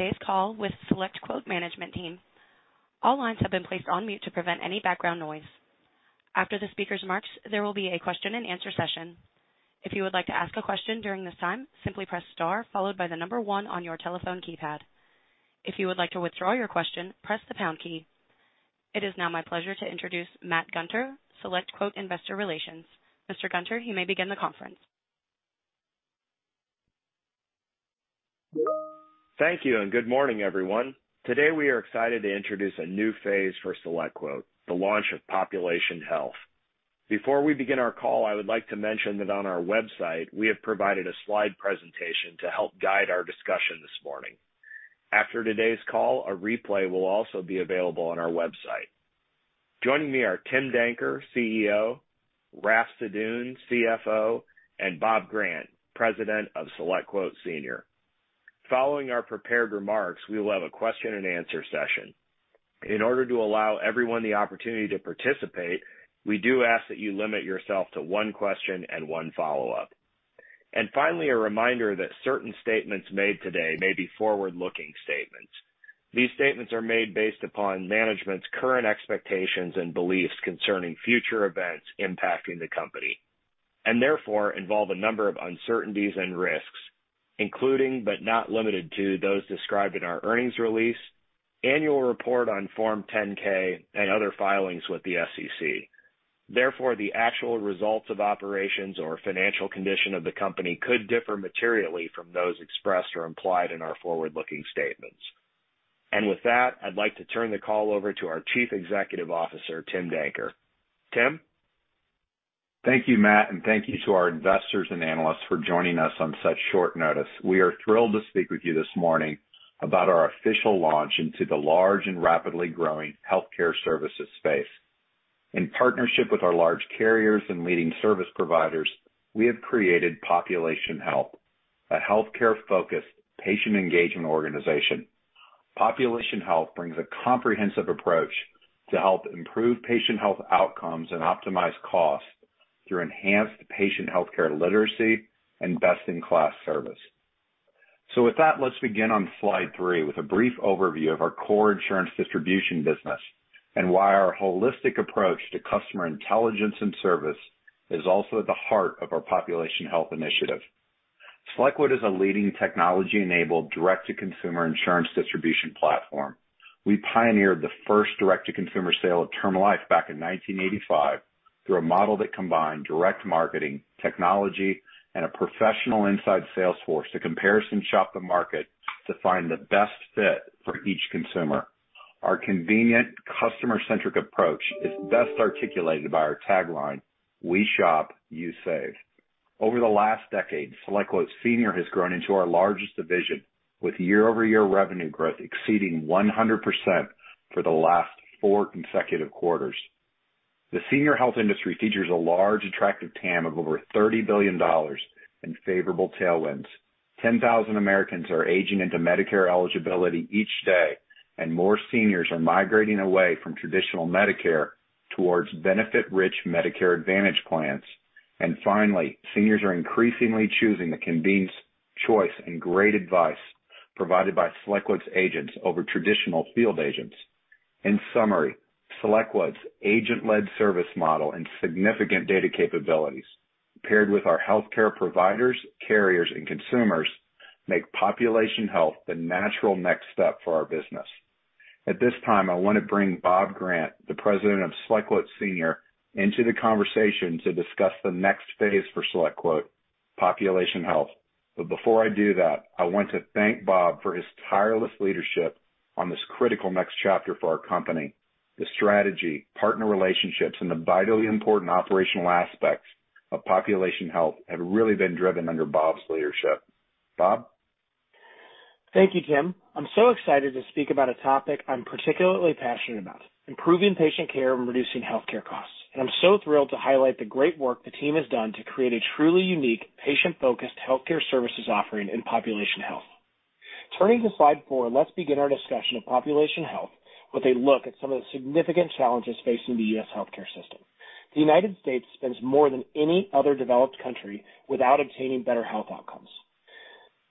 Welcome to today's call with SelectQuote management team. All lines have been placed on mute to prevent any background noise. After the speakers' remarks, there will be a question and answer session. If you would like to ask a question during this time, simply press star followed by the number one on your telephone keypad. If you would like to withdraw your question, press the pound key. It is now my pleasure to introduce Matt Gunter, SelectQuote Investor Relations. Mr. Gunter, you may begin the conference. Thank you, and good morning, everyone. Today, we are excited to introduce a new phase for SelectQuote, the launch of Population Health. Before we begin our call, I would like to mention that on our website, we have provided a slide presentation to help guide our discussion this morning. After today's call, a replay will also be available on our website. Joining me are Tim Danker, CEO, Raff Sadun, CFO, and Bob Grant, President of SelectQuote Senior. Following our prepared remarks, we will have a question and answer session. In order to allow everyone the opportunity to participate, we do ask that you limit yourself to one question and one follow-up. Finally, a reminder that certain statements made today may be forward-looking statements. These statements are made based upon management's current expectations and beliefs concerning future events impacting the company, and therefore, involve a number of uncertainties and risks, including, but not limited to, those described in our earnings release, annual report on Form 10-K and other filings with the SEC. Therefore, the actual results of operations or financial condition of the company could differ materially from those expressed or implied in our forward-looking statements. With that, I'd like to turn the call over to our Chief Executive Officer, Tim Danker. Tim? Thank you, Matt, and thank you to our investors and analysts for joining us on such short notice. We are thrilled to speak with you this morning about our official launch into the large and rapidly growing healthcare services space. In partnership with our large carriers and leading service providers, we have created Population Health, a healthcare-focused patient engagement organization. Population Health brings a comprehensive approach to help improve patient health outcomes and optimize costs through enhanced patient healthcare literacy and best-in-class service. With that, let's begin on slide three with a brief overview of our core insurance distribution business and why our holistic approach to customer intelligence and service is also at the heart of our Population Health initiative. SelectQuote is a leading technology-enabled direct-to-consumer insurance distribution platform. We pioneered the first direct-to-consumer sale of term life back in 1985 through a model that combined direct marketing, technology, and a professional inside sales force to comparison shop the market to find the best fit for each consumer. Our convenient, customer-centric approach is best articulated by our tagline, "We shop, you save." Over the last decade, SelectQuote Senior has grown into our largest division, with year-over-year revenue growth exceeding 100% for the last four consecutive quarters. The senior health industry features a large attractive TAM of over $30 billion in favorable tailwinds. 10,000 Americans are aging into Medicare eligibility each day, and more seniors are migrating away from traditional Medicare towards benefit-rich Medicare Advantage plans. Finally, seniors are increasingly choosing the convenience, choice, and great advice provided by SelectQuote's agents over traditional field agents. In summary, SelectQuote's agent-led service model and significant data capabilities, paired with our healthcare providers, carriers, and consumers, make Population Health the natural next step for our business. At this time, I want to bring Bob Grant, the President of SelectQuote Senior, into the conversation to discuss the next phase for SelectQuote, Population Health. Before I do that, I want to thank Bob for his tireless leadership on this critical next chapter for our company. The strategy, partner relationships, and the vitally important operational aspects of Population Health have really been driven under Bob's leadership. Bob? Thank you, Tim. I'm so excited to speak about a topic I'm particularly passionate about, improving patient care and reducing healthcare costs. I'm so thrilled to highlight the great work the team has done to create a truly unique, patient-focused healthcare services offering in Population Health. Turning to slide four, let's begin our discussion of Population Health with a look at some of the significant challenges facing the U.S. healthcare system. The United States spends more than any other developed country without obtaining better health outcomes.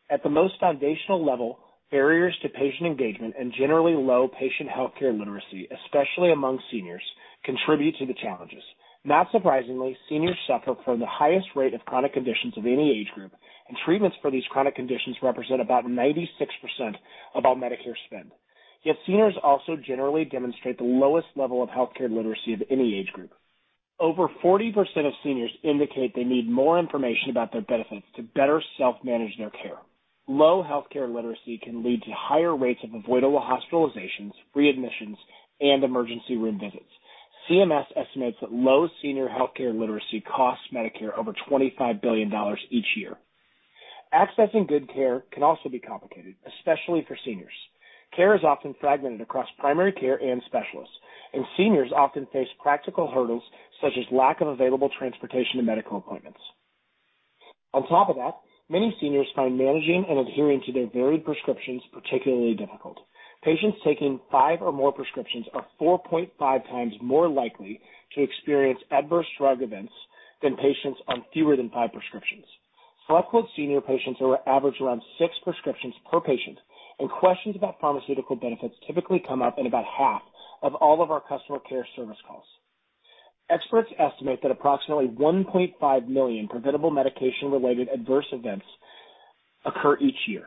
At the most foundational level, barriers to patient engagement and generally low patient healthcare literacy, especially among seniors, contribute to the challenges. Not surprisingly, seniors suffer from the highest rate of chronic conditions of any age group, treatments for these chronic conditions represent about 96% of all Medicare spend. Yet seniors also generally demonstrate the lowest level of healthcare literacy of any age group. Over 40% of seniors indicate they need more information about their benefits to better self-manage their care. Low healthcare literacy can lead to higher rates of avoidable hospitalizations, readmissions, and emergency room visits. CMS estimates that low senior healthcare literacy costs Medicare over $25 billion each year. Accessing good care can also be complicated, especially for seniors. Care is often fragmented across primary care and specialists, and seniors often face practical hurdles such as lack of available transportation to medical appointments. On top of that, many seniors find managing and adhering to their varied prescriptions particularly difficult. Patients taking five or more prescriptions are 4.5x more likely to experience adverse drug events than patients on fewer than five prescriptions. SelectQuote Senior patients are average around six prescriptions per patient, and questions about pharmaceutical benefits typically come up in about half of all of our customer care service calls. Experts estimate that approximately 1.5 million preventable medication-related adverse events occur each year.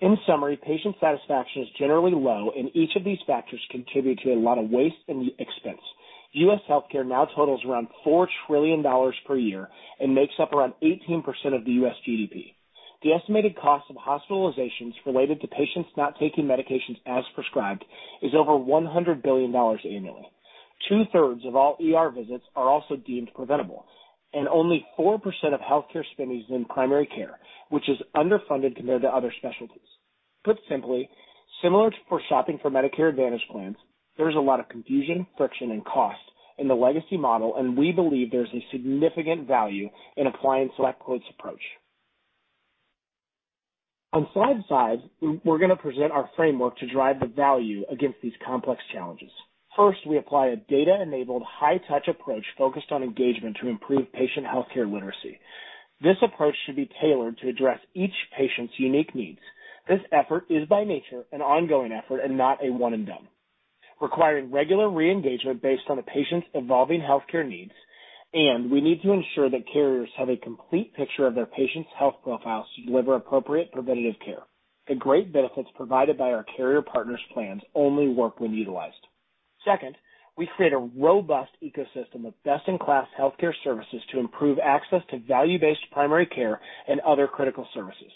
In summary, patient satisfaction is generally low, and each of these factors contribute to a lot of waste and expense. U.S. healthcare now totals around $4 trillion per year and makes up around 18% of the U.S. GDP. The estimated cost of hospitalizations related to patients not taking medications as prescribed is over $100 billion annually. Two-thirds of all ER visits are also deemed preventable, and only 4% of healthcare spending is in primary care, which is underfunded compared to other specialties. Put simply, similar for shopping for Medicare Advantage plans, there's a lot of confusion, friction, and cost in the legacy model. We believe there's a significant value in applying SelectQuote's approach. On slide five, we're going to present our framework to drive the value against these complex challenges. First, we apply a data-enabled, high-touch approach focused on engagement to improve patient healthcare literacy. This approach should be tailored to address each patient's unique needs. This effort is by nature, an ongoing effort and not a one and done, requiring regular re-engagement based on a patient's evolving healthcare needs. We need to ensure that carriers have a complete picture of their patient's health profiles to deliver appropriate preventative care. The great benefits provided by our carrier partners' plans only work when utilized. Second, we create a robust ecosystem of best-in-class healthcare services to improve access to value-based primary care and other critical services.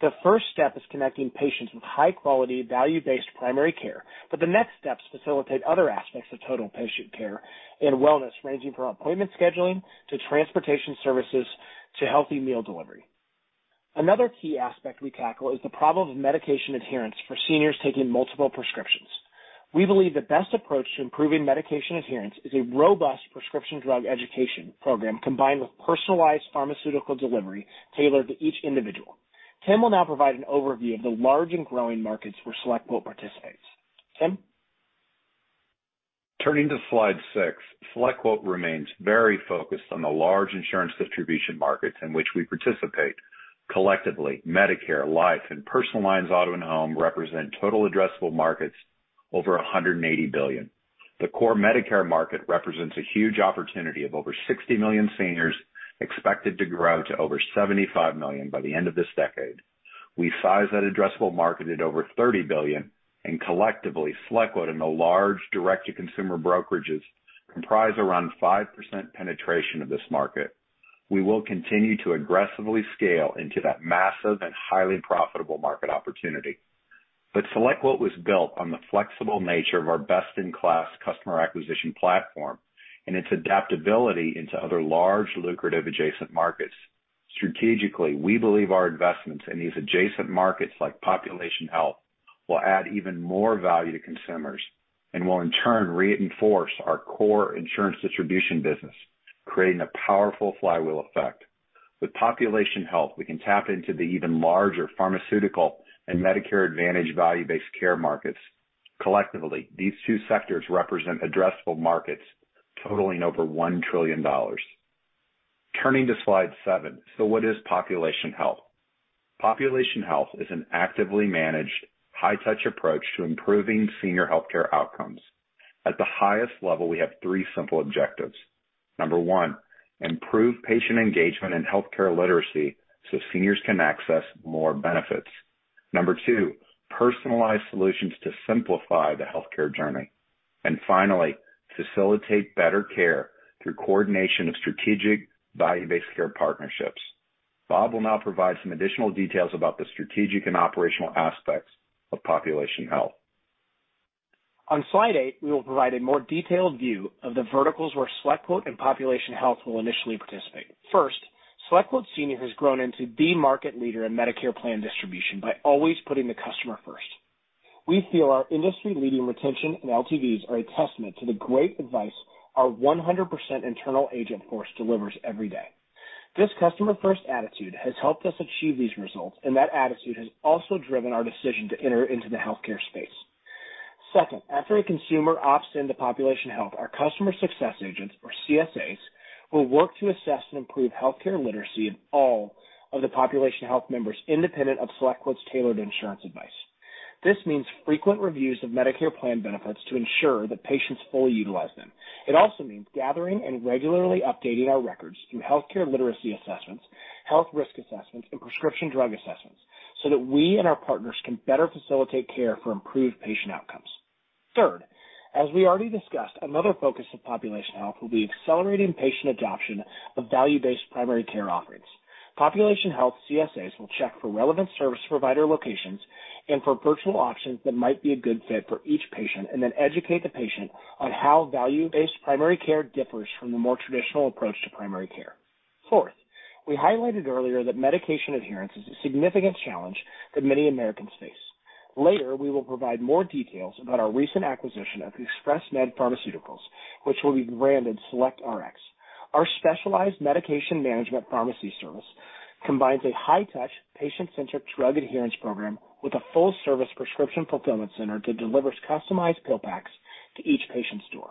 The first step is connecting patients with high-quality, value-based primary care. The next steps facilitate other aspects of total patient care and wellness, ranging from appointment scheduling to transportation services to healthy meal delivery. Another key aspect we tackle is the problem of medication adherence for seniors taking multiple prescriptions. We believe the best approach to improving medication adherence is a robust prescription drug education program combined with personalized pharmaceutical delivery tailored to each individual. Tim will now provide an overview of the large and growing markets where SelectQuote participates. Tim? Turning to slide six, SelectQuote remains very focused on the large insurance distribution markets in which we participate. Collectively, Medicare, life, and personal lines auto and home represent total addressable markets over $180 billion. The core Medicare market represents a huge opportunity of over 60 million seniors, expected to grow to over 75 million by the end of this decade. We size that addressable market at over $30 billion, and collectively, SelectQuote and the large direct-to-consumer brokerages comprise around 5% penetration of this market. We will continue to aggressively scale into that massive and highly profitable market opportunity. SelectQuote was built on the flexible nature of our best-in-class customer acquisition platform and its adaptability into other large, lucrative adjacent markets. Strategically, we believe our investments in these adjacent markets, like Population Health, will add even more value to consumers and will, in turn, reinforce our core insurance distribution business, creating a powerful flywheel effect. With Population Health, we can tap into the even larger pharmaceutical and Medicare Advantage value-based care markets. Collectively, these two sectors represent addressable markets totaling over $1 trillion. Turning to slide seven. What is Population Health? Population Health is an actively managed, high-touch approach to improving senior healthcare outcomes. At the highest level, we have three simple objectives. Number one, improve patient engagement and healthcare literacy so seniors can access more benefits. Number two, personalize solutions to simplify the healthcare journey. Finally, facilitate better care through coordination of strategic value-based care partnerships. Bob will now provide some additional details about the strategic and operational aspects of Population Health. On slide eight, we will provide a more detailed view of the verticals where SelectQuote and Population Health will initially participate. First, SelectQuote Senior has grown into the market leader in Medicare plan distribution by always putting the customer first. We feel our industry-leading retention and LTVs are a testament to the great advice our 100% internal agent force delivers every day. This customer-first attitude has helped us achieve these results, and that attitude has also driven our decision to enter into the healthcare space. Second, after a consumer opts into Population Health, our customer success agents, or CSAs, will work to assess and improve healthcare literacy in all of the Population Health members, independent of SelectQuote's tailored insurance advice. This means frequent reviews of Medicare plan benefits to ensure that patients fully utilize them. It also means gathering and regularly updating our records through healthcare literacy assessments, health risk assessments, and prescription drug assessments so that we and our partners can better facilitate care for improved patient outcomes. Third, as we already discussed, another focus of Population Health will be accelerating patient adoption of value-based primary care offerings. Population Health CSAs will check for relevant service provider locations and for virtual options that might be a good fit for each patient and then educate the patient on how value-based primary care differs from the more traditional approach to primary care. Fourth, we highlighted earlier that medication adherence is a significant challenge that many Americans face. Later, we will provide more details about our recent acquisition of Express Med Pharmaceuticals, which will be branded SelectRx. Our specialized medication management pharmacy service combines a high-touch, patient-centric drug adherence program with a full-service prescription fulfillment center that delivers customized pill packs to each patient's door.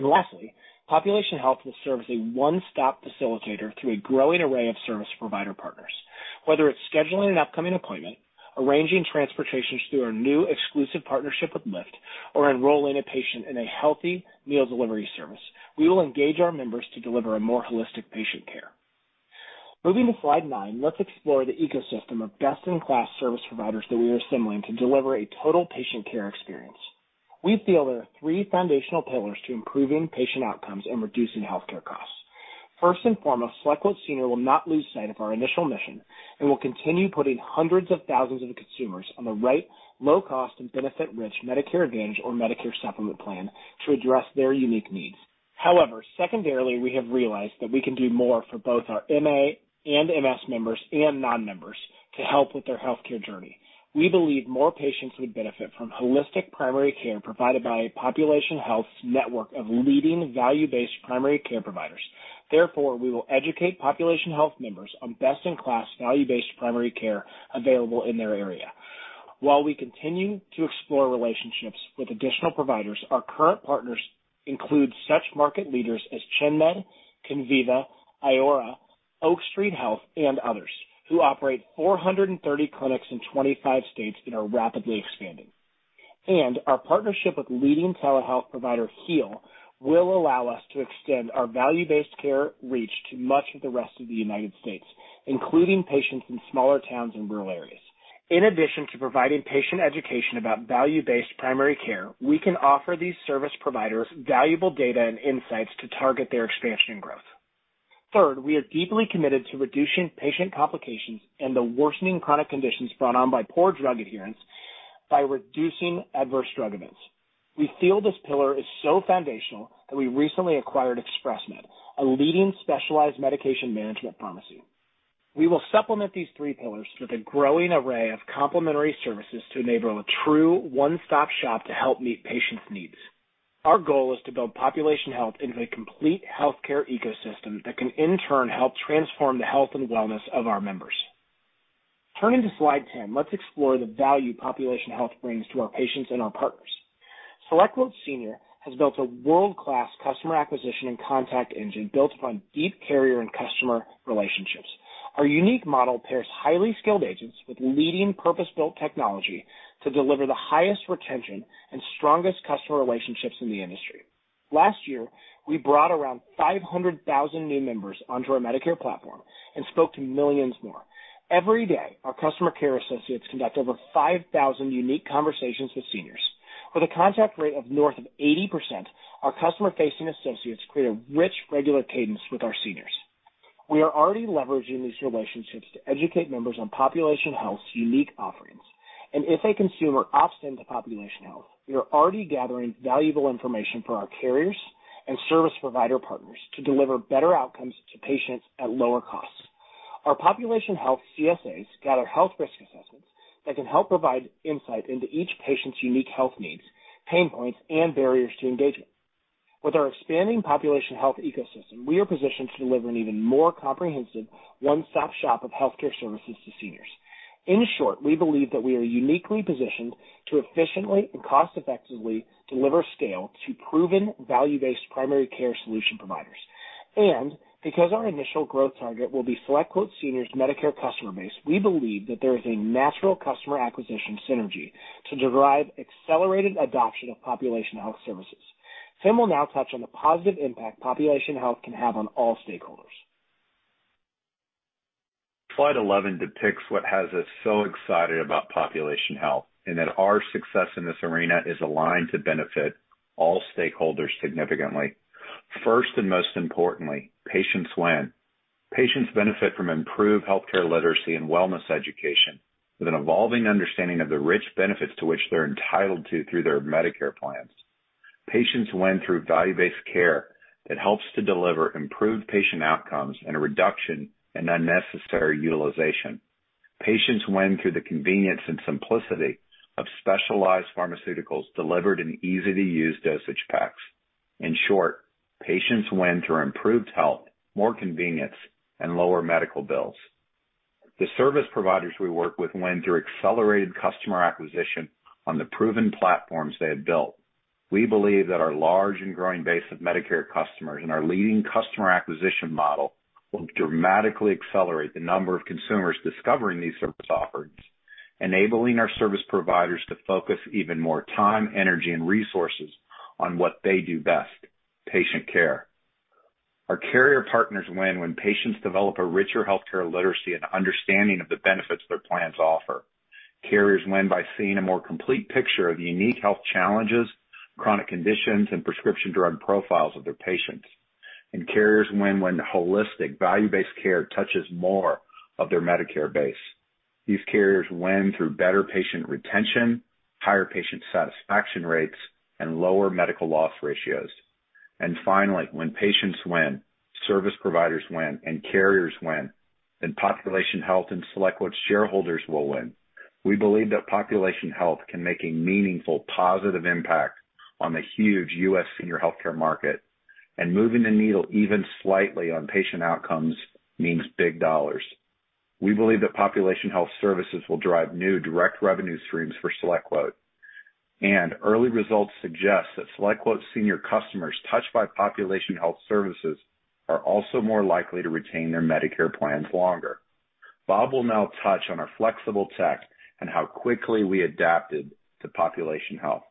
Lastly, Population Health will serve as a one-stop facilitator through a growing array of service provider partners. Whether it's scheduling an upcoming appointment, arranging transportation through our new exclusive partnership with Lyft, or enrolling a patient in a healthy meal delivery service, we will engage our members to deliver a more holistic patient care. Moving to slide nine, let's explore the ecosystem of best-in-class service providers that we are assembling to deliver a total patient care experience. We feel there are three foundational pillars to improving patient outcomes and reducing healthcare costs. First and foremost, SelectQuote Senior will not lose sight of our initial mission and will continue putting hundreds of thousands of consumers on the right low cost and benefit-rich Medicare Advantage or Medicare Supplement Plan to address their unique needs. Secondarily, we have realized that we can do more for both our MA and MS members and non-members to help with their healthcare journey. We believe more patients would benefit from holistic primary care provided by a Population Health network of leading value-based primary care providers. We will educate Population Health members on best-in-class value-based primary care available in their area. We continue to explore relationships with additional providers, our current partners include such market leaders as ChenMed, Conviva, Iora, Oak Street Health, and others, who operate 430 clinics in 25 states and are rapidly expanding. Our partnership with leading telehealth provider Heal will allow us to extend our value-based care reach to much of the rest of the United States, including patients in smaller towns and rural areas. In addition to providing patient education about value-based primary care, we can offer these service providers valuable data and insights to target their expansion and growth. Third, we are deeply committed to reducing patient complications and the worsening chronic conditions brought on by poor drug adherence by reducing adverse drug events. We feel this pillar is so foundational that we recently acquired Express Med, a leading specialized medication management pharmacy. We will supplement these three pillars with a growing array of complementary services to enable a true one-stop shop to help meet patients' needs. Our goal is to build Population Health into a complete healthcare ecosystem that can in turn help transform the health and wellness of our members. Turning to slide 10, let's explore the value Population Health brings to our patients and our partners. SelectQuote Senior has built a world-class customer acquisition and contact engine built upon deep carrier and customer relationships. Our unique model pairs highly skilled agents with leading purpose-built technology to deliver the highest retention and strongest customer relationships in the industry. Last year, we brought around 500,000 new members onto our Medicare platform and spoke to millions more. Every day, our customer care associates conduct over 5,000 unique conversations with seniors. With a contact rate of north of 80%, our customer-facing associates create a rich, regular cadence with our seniors. We are already leveraging these relationships to educate members on Population Health's unique offerings. If a consumer opts into Population Health, we are already gathering valuable information for our carriers and service provider partners to deliver better outcomes to patients at lower costs. Our Population Health CSAs gather health risk assessments that can help provide insight into each patient's unique health needs, pain points, and barriers to engagement. With our expanding Population Health ecosystem, we are positioned to deliver an even more comprehensive one-stop shop of healthcare services to seniors. In short, we believe that we are uniquely positioned to efficiently and cost effectively deliver scale to proven value-based primary care solution providers. Because our initial growth target will be SelectQuote Senior's Medicare customer base, we believe that there is a natural customer acquisition synergy to derive accelerated adoption of Population Health services. Tim will now touch on the positive impact Population Health can have on all stakeholders. Slide 11 depicts what has us so excited about Population Health. That our success in this arena is aligned to benefit all stakeholders significantly. First, and most importantly, patients win. Patients benefit from improved healthcare literacy and wellness education with an evolving understanding of the rich benefits to which they're entitled to through their Medicare plans. Patients win through value-based care that helps to deliver improved patient outcomes and a reduction in unnecessary utilization. Patients win through the convenience and simplicity of specialized pharmaceuticals delivered in easy-to-use dosage packs. In short, patients win through improved health, more convenience, and lower medical bills. The service providers we work with win through accelerated customer acquisition on the proven platforms they had built. We believe that our large and growing base of Medicare customers and our leading customer acquisition model will dramatically accelerate the number of consumers discovering these service offerings, enabling our service providers to focus even more time, energy, and resources on what they do best, patient care. Our carrier partners win when patients develop a richer healthcare literacy and understanding of the benefits their plans offer. Carriers win by seeing a more complete picture of the unique health challenges, chronic conditions, and prescription drug profiles of their patients. Carriers win when holistic value-based care touches more of their Medicare base. These carriers win through better patient retention, higher patient satisfaction rates, and lower medical loss ratios. Finally, when patients win, service providers win, and carriers win, then Population Health and SelectQuote shareholders will win. We believe that Population Health can make a meaningful, positive impact on the huge U.S. senior healthcare market. Moving the needle even slightly on patient outcomes means big dollars. We believe that Population Health services will drive new direct revenue streams for SelectQuote. Early results suggest that SelectQuote Senior customers touched by Population Health services are also more likely to retain their Medicare plans longer. Bob will now touch on our flexible tech and how quickly we adapted to Population Health.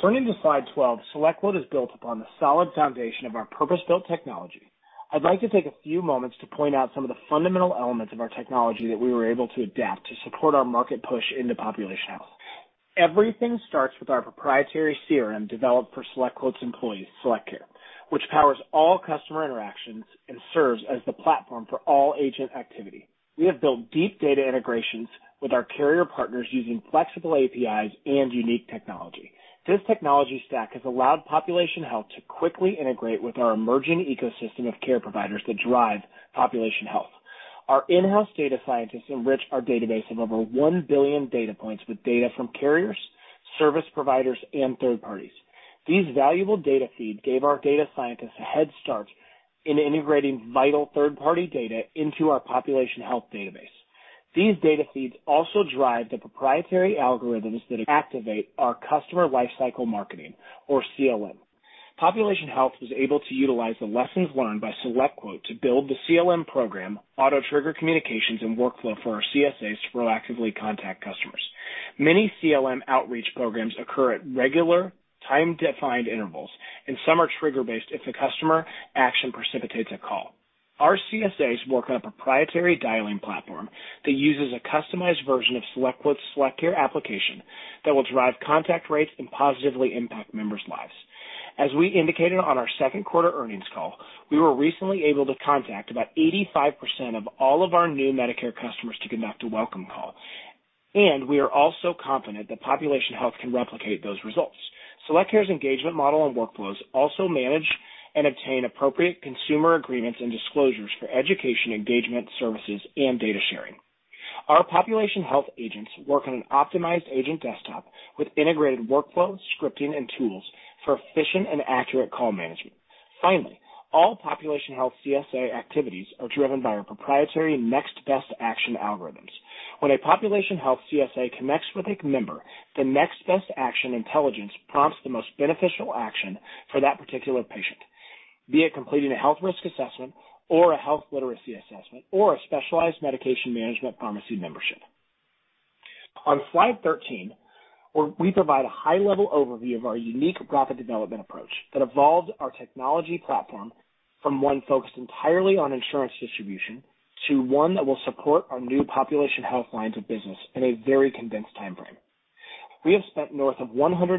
Turning to slide 12, SelectQuote is built upon the solid foundation of our purpose-built technology. I'd like to take a few moments to point out some of the fundamental elements of our technology that we were able to adapt to support our market push into Population Health. Everything starts with our proprietary CRM, developed for SelectQuote's employees, SelectCare, which powers all customer interactions and serves as the platform for all agent activity. We have built deep data integrations with our carrier partners using flexible APIs and unique technology. This technology stack has allowed Population Health to quickly integrate with our emerging ecosystem of care providers to drive Population Health. Our in-house data scientists enrich our database of over 1 billion data points with data from carriers, service providers, and third parties. These valuable data feeds gave our data scientists a head start in integrating vital third-party data into our Population Health database. These data feeds also drive the proprietary algorithms that activate our customer lifecycle marketing, or CLM. Population Health was able to utilize the lessons learned by SelectQuote to build the CLM program, auto-trigger communications, and workflow for our CSAs to proactively contact customers. Many CLM outreach programs occur at regular, time-defined intervals, and some are trigger-based if a customer action precipitates a call. Our CSAs work on a proprietary dialing platform that uses a customized version of SelectQuote's SelectCare application that will drive contact rates and positively impact members' lives. As we indicated on our second quarter earnings call, we were recently able to contact about 85% of all of our new Medicare customers to conduct a welcome call. We are also confident that Population Health can replicate those results. SelectCare's engagement model and workflows also manage and obtain appropriate consumer agreements and disclosures for education engagement services and data sharing. Our Population Health agents work on an optimized agent desktop with integrated workflow, scripting, and tools for efficient and accurate call management. Finally, all Population Health CSA activities are driven by our proprietary Next Best Action algorithms. When a Population Health CSA connects with a member, the Next Best Action intelligence prompts the most beneficial action for that particular patient, be it completing a health risk assessment or a health literacy assessment, or a specialized medication management pharmacy membership. On slide 13, we provide a high-level overview of our unique rapid development approach that evolved our technology platform from one focused entirely on insurance distribution to one that will support our new Population Health lines of business in a very condensed timeframe. We have spent north of $150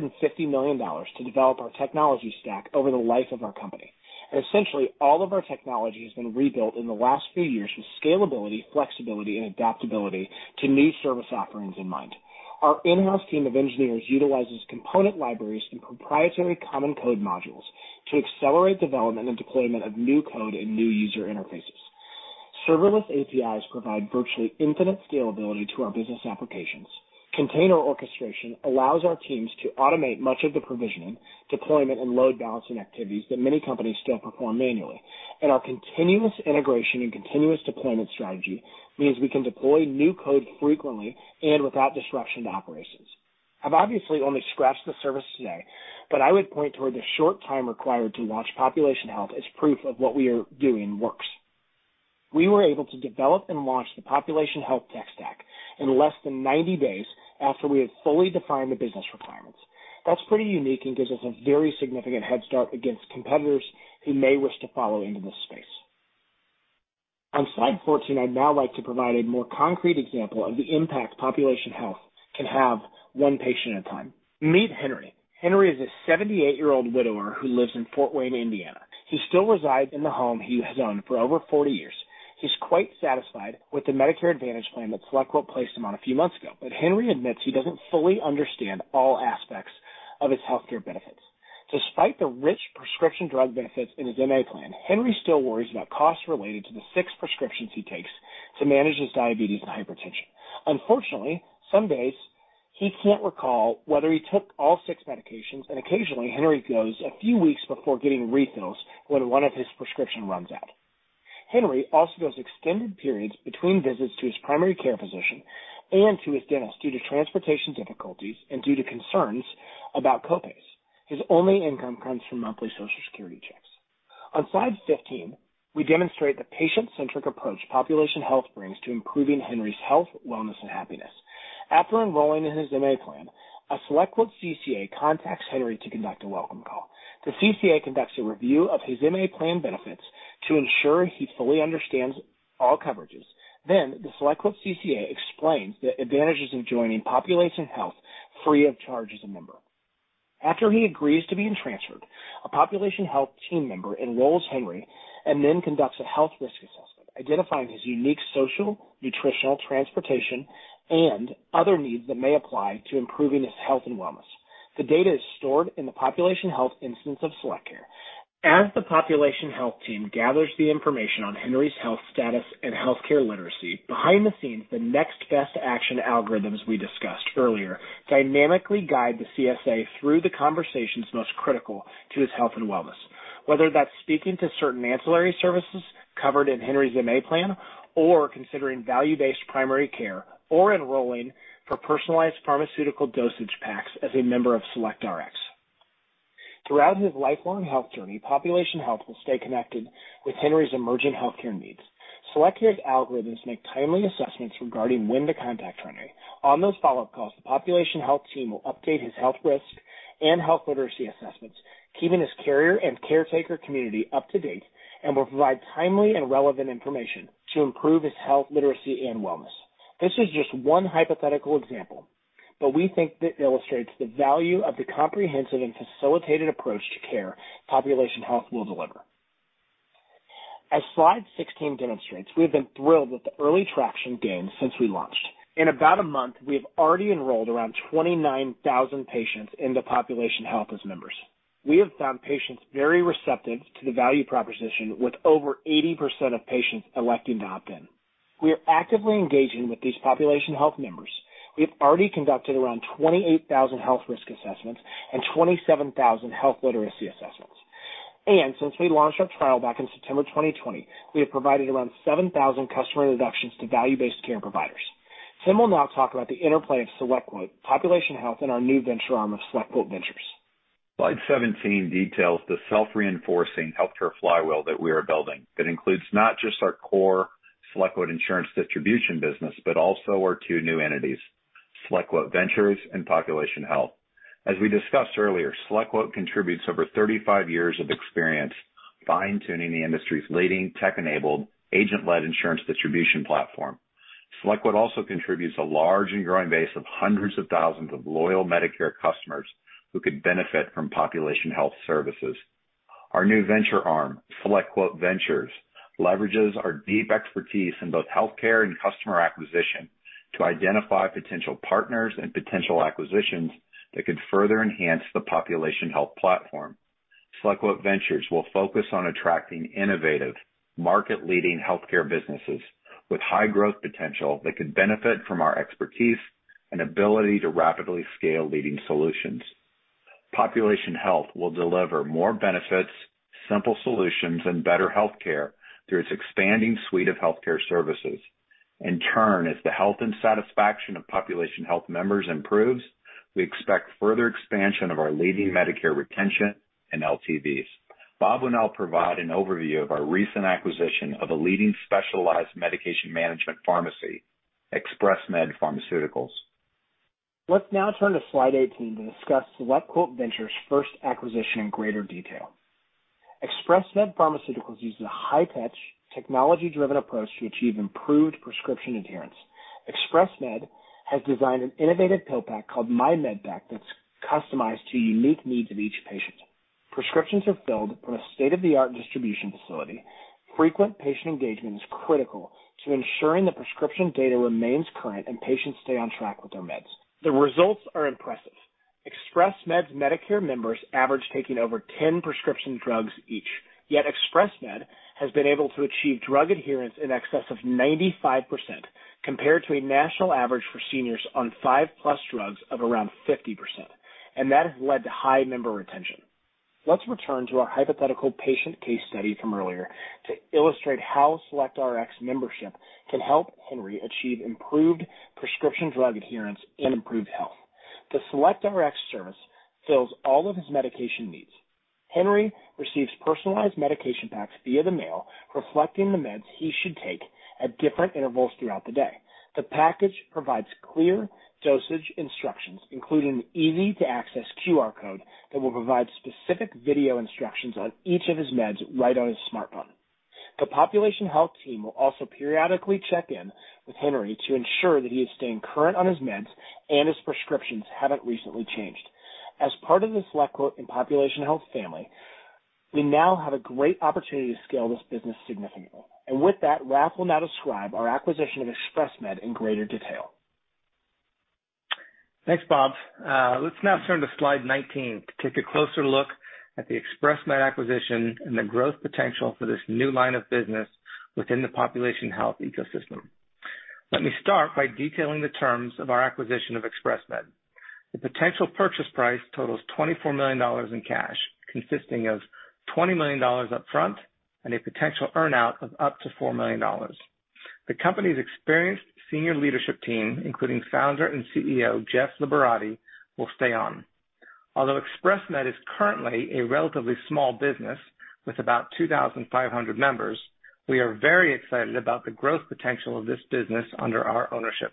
million to develop our technology stack over the life of our company. Essentially, all of our technology has been rebuilt in the last few years with scalability, flexibility, and adaptability to new service offerings in mind. Our in-house team of engineers utilizes component libraries and proprietary common code modules to accelerate development and deployment of new code and new user interfaces. Serverless APIs provide virtually infinite scalability to our business applications. Container orchestration allows our teams to automate much of the provisioning, deployment, and load balancing activities that many companies still perform manually. Our continuous integration and continuous deployment strategy means we can deploy new code frequently and without disruption to operations. I've obviously only scratched the surface today, but I would point toward the short time required to launch Population Health as proof of what we are doing works. We were able to develop and launch the Population Health tech stack in less than 90 days after we had fully defined the business requirements. That's pretty unique and gives us a very significant head start against competitors who may wish to follow into this space. On slide 14, I'd now like to provide a more concrete example of the impact Population Health can have one patient at a time. Meet Henry. Henry is a 78-year-old widower who lives in Fort Wayne, Indiana. He still resides in the home he has owned for over 40 years. He's quite satisfied with the Medicare Advantage plan that SelectQuote placed him on a few months ago, but Henry admits he doesn't fully understand all aspects of his healthcare benefits. Despite the rich prescription drug benefits in his MA plan, Henry still worries about costs related to the six prescriptions he takes to manage his diabetes and hypertension. Unfortunately, some days he can't recall whether he took all six medications, and occasionally Henry goes a few weeks before getting refills when one of his prescriptions runs out. Henry also goes extended periods between visits to his primary care physician and to his dentist due to transportation difficulties and due to concerns about copays. His only income comes from monthly Social Security checks. On slide 15, we demonstrate the patient-centric approach Population Health brings to improving Henry's health, wellness, and happiness. After enrolling in his MA plan, a SelectQuote CCA contacts Henry to conduct a welcome call. The CCA conducts a review of his MA plan benefits to ensure he fully understands all coverages. The SelectQuote CCA explains the advantages of joining Population Health free of charge as a member. After he agrees to being transferred, a Population Health team member enrolls Henry and then conducts a health risk assessment, identifying his unique social, nutritional, transportation, and other needs that may apply to improving his health and wellness. The data is stored in the Population Health instance of SelectCare. As the Population Health team gathers the information on Henry's health status and healthcare literacy, behind the scenes, the Next Best Action algorithms we discussed earlier dynamically guide the CSA through the conversations most critical to his health and wellness, whether that's speaking to certain ancillary services covered in Henry's MA plan, or considering value-based primary care, or enrolling for personalized pharmaceutical dosage packs as a member of SelectRx. Throughout his lifelong health journey, Population Health will stay connected with Henry's emerging healthcare needs. SelectRx algorithms make timely assessments regarding when to contact Henry. On those follow-up calls, the Population Health team will update his health risk and health literacy assessments, keeping his carrier and caretaker community up to date, and will provide timely and relevant information to improve his health literacy and wellness. This is just one hypothetical example. We think it illustrates the value of the comprehensive and facilitated approach to care Population Health will deliver. As slide 16 demonstrates, we have been thrilled with the early traction gains since we launched. In about a month, we have already enrolled around 29,000 patients into Population Health as members. We have found patients very receptive to the value proposition with over 80% of patients electing to opt in. We are actively engaging with these Population Health members. We have already conducted around 28,000 health risk assessments and 27,000 health literacy assessments. Since we launched our trial back in September 2020, we have provided around 7,000 customer introductions to value-based care providers. Tim will now talk about the interplay of SelectQuote, Population Health, and our new venture arm of SelectQuote Ventures. Slide 17 details the self-reinforcing healthcare flywheel that we are building. It includes not just our core SelectQuote insurance distribution business, but also our two new entities, SelectQuote Ventures and Population Health. As we discussed earlier, SelectQuote contributes over 35 years of experience fine-tuning the industry's leading tech-enabled, agent-led insurance distribution platform. SelectQuote also contributes a large and growing base of hundreds of thousands of loyal Medicare customers who could benefit from Population Health services. Our new venture arm, SelectQuote Ventures, leverages our deep expertise in both healthcare and customer acquisition to identify potential partners and potential acquisitions that could further enhance the Population Health platform. SelectQuote Ventures will focus on attracting innovative, market-leading healthcare businesses with high growth potential that could benefit from our expertise and ability to rapidly scale leading solutions. Population Health will deliver more benefits, simple solutions, and better healthcare through its expanding suite of healthcare services. In turn, as the health and satisfaction of Population Health members improves, we expect further expansion of our leading Medicare retention and LTVs. Bob will now provide an overview of our recent acquisition of a leading specialized medication management pharmacy, Express Med Pharmaceuticals. Let's now turn to slide 18 to discuss SelectQuote Ventures' first acquisition in greater detail. Express Med Pharmaceuticals uses a high-tech, technology-driven approach to achieve improved prescription adherence. Express Med has designed an innovative pill pack called MyMedPak that's customized to the unique needs of each patient. Prescriptions are filled from a state-of-the-art distribution facility. Frequent patient engagement is critical to ensuring the prescription data remains current and patients stay on track with their meds. The results are impressive. Express Med's Medicare members average taking over 10 prescription drugs each, yet Express Med has been able to achieve drug adherence in excess of 95%, compared to a national average for seniors on five-plus drugs of around 50%, and that has led to high member retention. Let's return to our hypothetical patient case study from earlier to illustrate how SelectRx membership can help Henry achieve improved prescription drug adherence and improved health. The SelectRx service fills all of his medication needs. Henry receives personalized medication packs via the mail, reflecting the meds he should take at different intervals throughout the day. The package provides clear dosage instructions, including an easy-to-access QR code that will provide specific video instructions on each of his meds right on his smartphone. The Population Health team will also periodically check in with Henry to ensure that he is staying current on his meds and his prescriptions haven't recently changed. As part of the SelectQuote and Population Health family, we now have a great opportunity to scale this business significantly. With that, Raff will now describe our acquisition of Express Med in greater detail. Thanks, Bob. Let's now turn to slide 19 to take a closer look at the Express Med acquisition and the growth potential for this new line of business within the Population Health ecosystem. Let me start by detailing the terms of our acquisition of Express Med. The potential purchase price totals $24 million in cash, consisting of $20 million upfront and a potential earn-out of up to $4 million. The company's experienced senior leadership team, including founder and CEO Jeffrey Liberati, will stay on. Although Express Med is currently a relatively small business with about 2,500 members, we are very excited about the growth potential of this business under our ownership.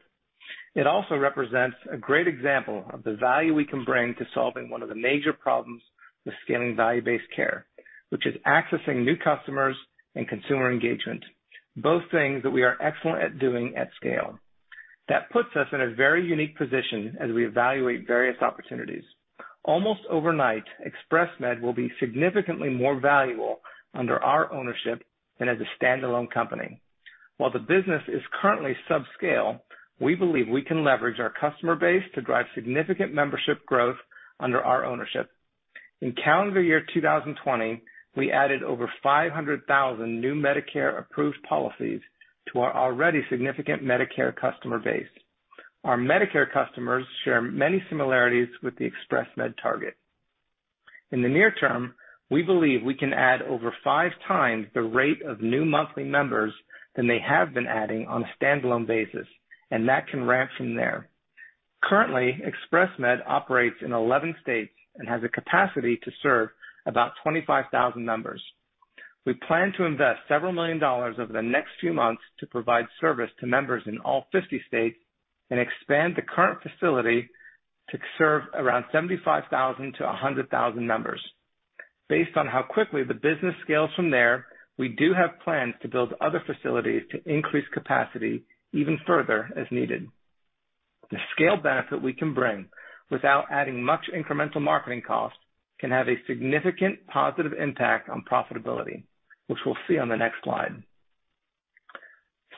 It also represents a great example of the value we can bring to solving one of the major problems with scaling value-based care, which is accessing new customers and consumer engagement, both things that we are excellent at doing at scale. That puts us in a very unique position as we evaluate various opportunities. Almost overnight, Express Med will be significantly more valuable under our ownership than as a standalone company. While the business is currently subscale, we believe we can leverage our customer base to drive significant membership growth under our ownership. In calendar year 2020, we added over 500,000 new Medicare-approved policies to our already significant Medicare customer base. Our Medicare customers share many similarities with the Express Med target. In the near term, we believe we can add over 5x the rate of new monthly members than they have been adding on a standalone basis. That can ramp from there. Currently, Express Med operates in 11 states and has a capacity to serve about 25,000 members. We plan to invest several million dollars over the next few months to provide service to members in all 50 states and expand the current facility to serve around 75,000 to 100,000 members. Based on how quickly the business scales from there, we do have plans to build other facilities to increase capacity even further as needed. The scale benefit we can bring without adding much incremental marketing cost can have a significant positive impact on profitability, which we'll see on the next slide.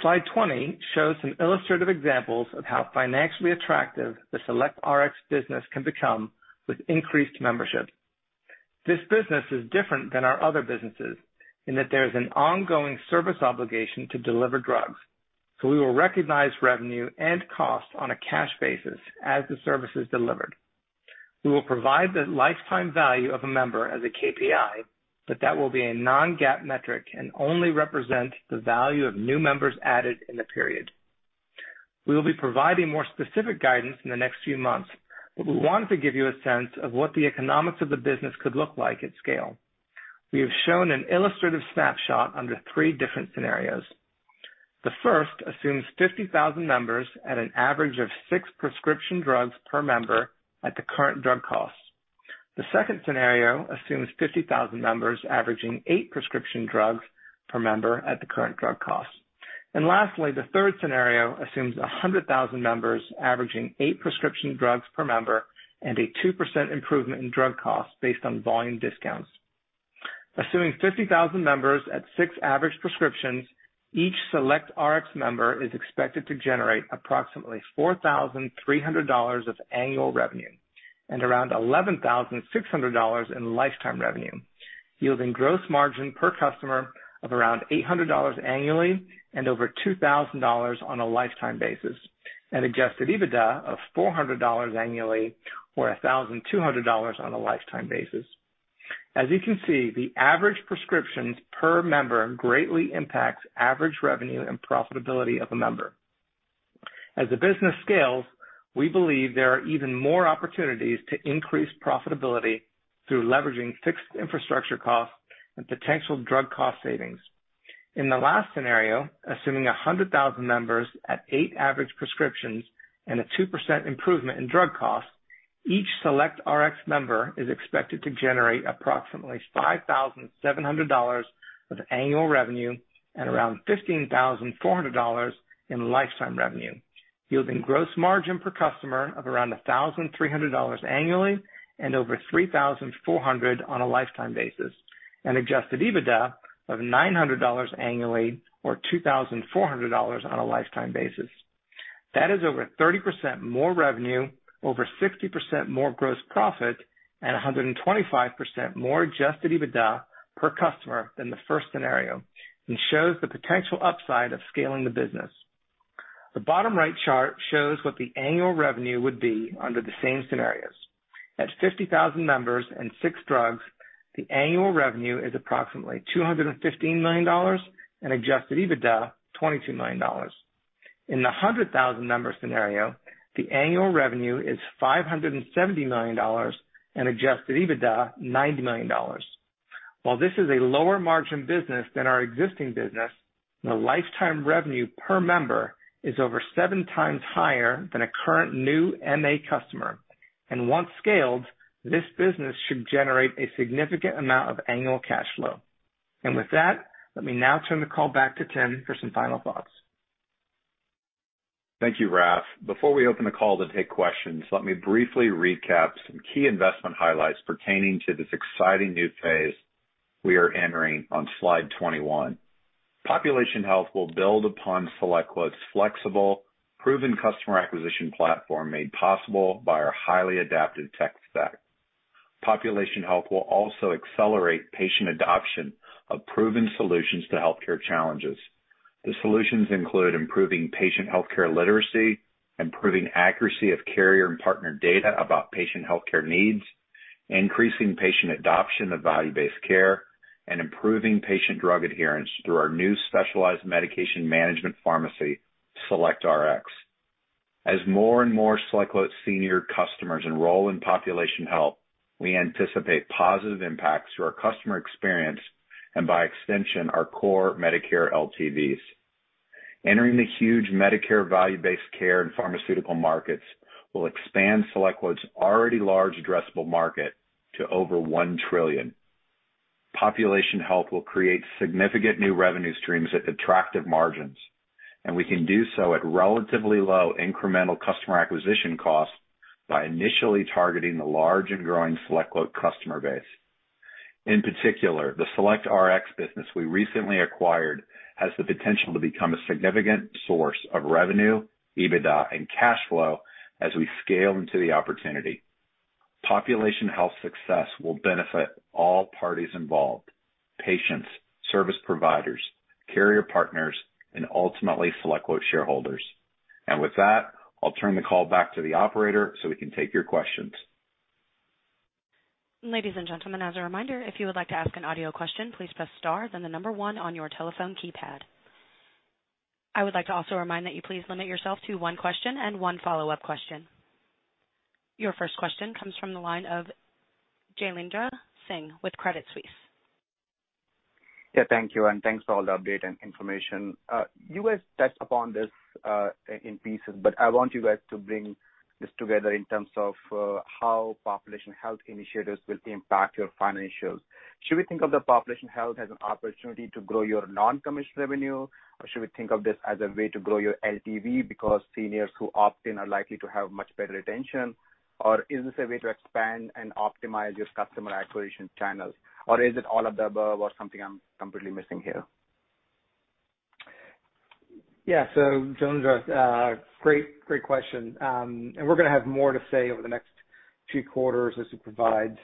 Slide 20 shows some illustrative examples of how financially attractive the SelectRx business can become with increased membership. This business is different than our other businesses in that there is an ongoing service obligation to deliver drugs. We will recognize revenue and cost on a cash basis as the service is delivered. We will provide the lifetime value of a member as a KPI, but that will be a non-GAAP metric and only represent the value of new members added in the period. We will be providing more specific guidance in the next few months, we wanted to give you a sense of what the economics of the business could look like at scale. We have shown an illustrative snapshot under three different scenarios. The first assumes 50,000 members at an average of six prescription drugs per member at the current drug costs. The second scenario assumes 50,000 members averaging eight prescription drugs per member at the current drug costs. Lastly, the third scenario assumes 100,000 members averaging eight prescription drugs per member and a 2% improvement in drug costs based on volume discounts. Assuming 50,000 members at six average prescriptions, each SelectRx member is expected to generate approximately $4,300 of annual revenue and around $11,600 in lifetime revenue, yielding gross margin per customer of around $800 annually and over $2,000 on a lifetime basis, and adjusted EBITDA of $400 annually or $1,200 on a lifetime basis. As you can see, the average prescriptions per member greatly impacts average revenue and profitability of a member. As the business scales, we believe there are even more opportunities to increase profitability through leveraging fixed infrastructure costs and potential drug cost savings. In the last scenario, assuming 100,000 members at eight average prescriptions and a 2% improvement in drug costs, each SelectRx member is expected to generate approximately $5,700 of annual revenue and around $15,400 in lifetime revenue, yielding gross margin per customer of around $1,300 annually and over $3,400 on a lifetime basis, and adjusted EBITDA of $900 annually or $2,400 on a lifetime basis. That is over 30% more revenue, over 60% more gross profit, and 125% more adjusted EBITDA per customer than the first scenario and shows the potential upside of scaling the business. The bottom right chart shows what the annual revenue would be under the same scenarios. At 50,000 members and six drugs, the annual revenue is approximately $215 million and adjusted EBITDA $22 million. In the 100,000 member scenario, the annual revenue is $570 million and adjusted EBITDA $90 million. While this is a lower margin business than our existing business, the lifetime revenue per member is over 7x higher than a current new MA customer. Once scaled, this business should generate a significant amount of annual cash flow. With that, let me now turn the call back to Tim for some final thoughts. Thank you, Raff. Before we open the call to take questions, let me briefly recap some key investment highlights pertaining to this exciting new phase we are entering on slide 21. Population Health will build upon SelectQuote's flexible, proven customer acquisition platform made possible by our highly adaptive tech stack. Population Health will also accelerate patient adoption of proven solutions to healthcare challenges. The solutions include improving patient healthcare literacy, improving accuracy of carrier and partner data about patient healthcare needs, increasing patient adoption of value-based care, and improving patient drug adherence through our new specialized medication management pharmacy, SelectRx. As more and more SelectQuote Senior customers enroll in Population Health, we anticipate positive impacts to our customer experience and, by extension, our core Medicare LTVs. Entering the huge Medicare value-based care and pharmaceutical markets will expand SelectQuote's already large addressable market to over $1 trillion. Population Health will create significant new revenue streams at attractive margins, and we can do so at relatively low incremental customer acquisition costs by initially targeting the large and growing SelectQuote customer base. In particular, the SelectRx business we recently acquired has the potential to become a significant source of revenue, EBITDA, and cash flow as we scale into the opportunity. Population Health success will benefit all parties involved. Patients, service providers, carrier partners, and ultimately SelectQuote shareholders. With that, I'll turn the call back to the operator so we can take your questions. Ladies and gentlemen, as a reminder, if you would like to ask an audio question, please press star then the number one on your telephone keypad. I would like to also remind that you please limit yourself to one question and one follow-up question. Your first question comes from the line of Jailendra Singh with Credit Suisse. Yeah, thank you, and thanks for all the update and information. You guys touched upon this in pieces, but I want you guys to bring this together in terms of how Population Health initiatives will impact your financials. Should we think of the Population Health as an opportunity to grow your non-commission revenue, or should we think of this as a way to grow your LTV because seniors who opt in are likely to have much better retention? Is this a way to expand and optimize your customer acquisition channels? Is it all of the above or something I'm completely missing here? Jailendra, great question. We're going to have more to say over the next few quarters as we provide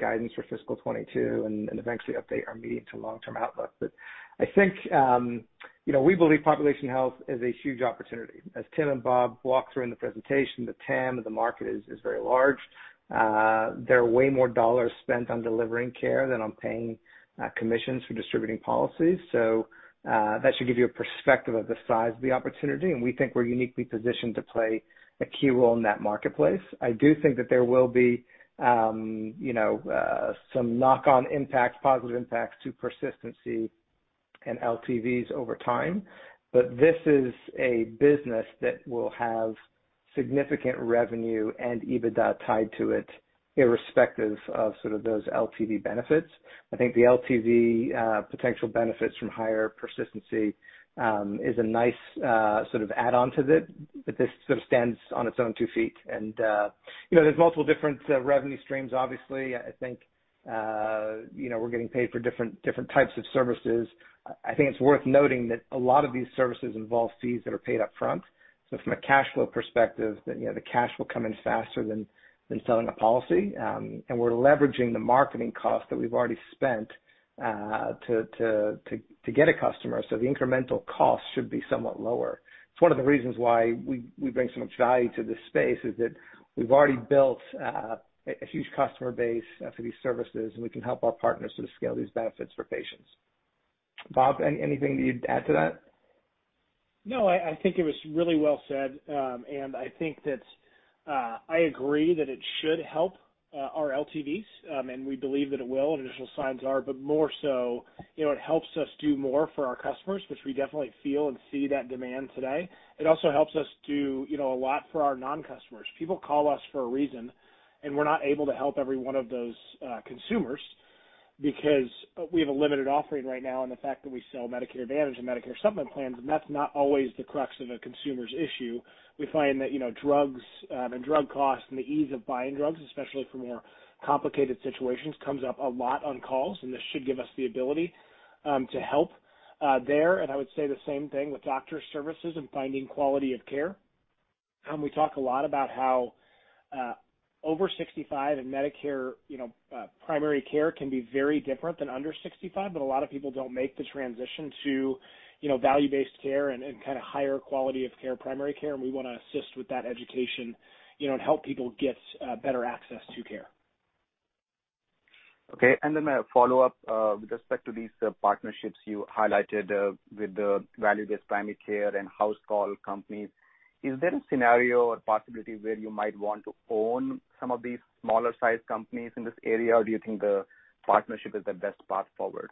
guidance for fiscal 2022 and eventually update our medium to long-term outlook. We believe Population Health is a huge opportunity. As Tim and Bob walked through in the presentation, the TAM of the market is very large. There are way more dollars spent on delivering care than on paying commissions for distributing policies. That should give you a perspective of the size of the opportunity, and we think we're uniquely positioned to play a key role in that marketplace. I do think that there will be some knock-on impact, positive impacts to persistency and LTVs over time. This is a business that will have significant revenue and EBITDA tied to it irrespective of those LTV benefits. I think the LTV potential benefits from higher persistency is a nice sort of add-on to it. This sort of stands on its own two feet. There's multiple different revenue streams, obviously. I think we're getting paid for different types of services. I think it's worth noting that a lot of these services involve fees that are paid upfront. From a cash flow perspective, the cash will come in faster than selling a policy. We're leveraging the marketing cost that we've already spent to get a customer. The incremental cost should be somewhat lower. It's one of the reasons why we bring so much value to this space is that we've already built a huge customer base for these services, and we can help our partners sort of scale these benefits for patients. Bob, anything you'd add to that? No, I think it was really well said. I think that I agree that it should help our LTVs, and we believe that it will, and initial signs are, but more so, it helps us do more for our customers, which we definitely feel and see that demand today. It also helps us do a lot for our non-customers. People call us for a reason, and we're not able to help every one of those consumers because we have a limited offering right now in the fact that we sell Medicare Advantage and Medicare Supplement plans, and that's not always the crux of a consumer's issue. We find that drugs and drug costs and the ease of buying drugs, especially for more complicated situations, comes up a lot on calls, and this should give us the ability to help there. I would say the same thing with doctor services and finding quality of care. We talk a lot about how over 65 and Medicare primary care can be very different than under 65. A lot of people don't make the transition to value-based care and kind of higher quality of care primary care. We want to assist with that education and help people get better access to care. Okay, a follow-up with respect to these partnerships you highlighted with the value-based primary care and house call companies. Is there a scenario or possibility where you might want to own some of these smaller-sized companies in this area, or do you think the partnership is the best path forward?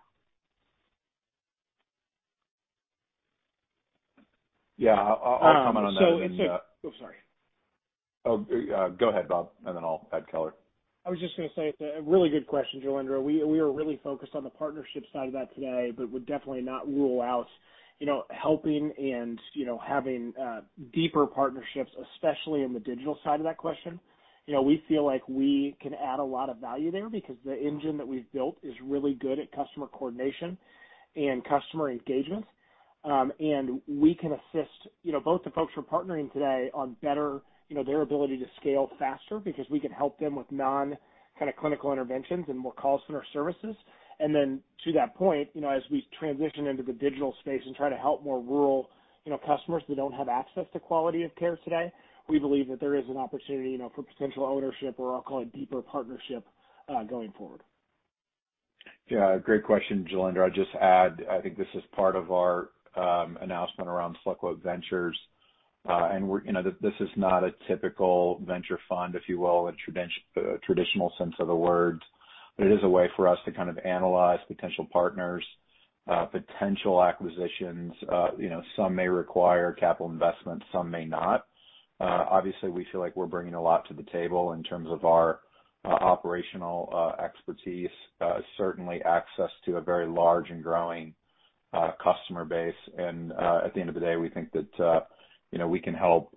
Yeah. I'll comment on that then. Oh, sorry. Oh, go ahead, Bob, and then I'll add color. I was just going to say it's a really good question, Jailendra. We are really focused on the partnership side of that today, but would definitely not rule out helping and having deeper partnerships, especially in the digital side of that question. We feel like we can add a lot of value there because the engine that we've built is really good at customer coordination and customer engagement. We can assist both the folks we're partnering today on better, their ability to scale faster because we can help them with non kind of clinical interventions and more call center services. Then to that point, as we transition into the digital space and try to help more rural customers that don't have access to quality of care today, we believe that there is an opportunity for potential ownership or I'll call it deeper partnership, going forward. Great question, Jailendra. I'd just add, I think this is part of our announcement around SelectQuote Ventures. This is not a typical venture fund, if you will, in a traditional sense of the word, but it is a way for us to kind of analyze potential partners, potential acquisitions. Some may require capital investment, some may not. Obviously, we feel like we're bringing a lot to the table in terms of our operational expertise, certainly access to a very large and growing customer base and at the end of the day, we think that we can help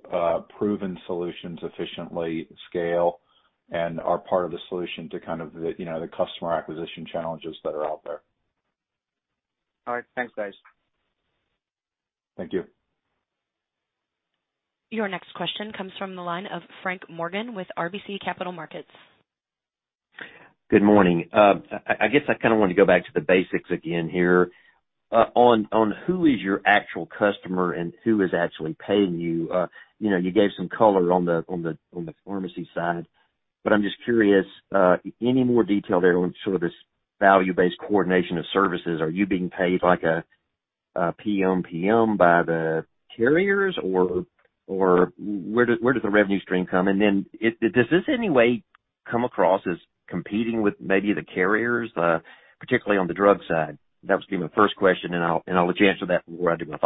proven solutions efficiently scale and are part of the solution to the customer acquisition challenges that are out there. All right. Thanks, guys. Thank you. Your next question comes from the line of Frank Morgan with RBC Capital Markets. Good morning. I guess I want to go back to the basics again here. On who is your actual customer and who is actually paying you gave some color on the pharmacy side, but I'm just curious, any more detail there on sort of this value-based coordination of services, are you being paid like a PMPM by the carriers or where does the revenue stream come? Does this any way come across as competing with maybe the carriers, particularly on the drug side? That was going to be my first question, and I'll let you answer that before I do my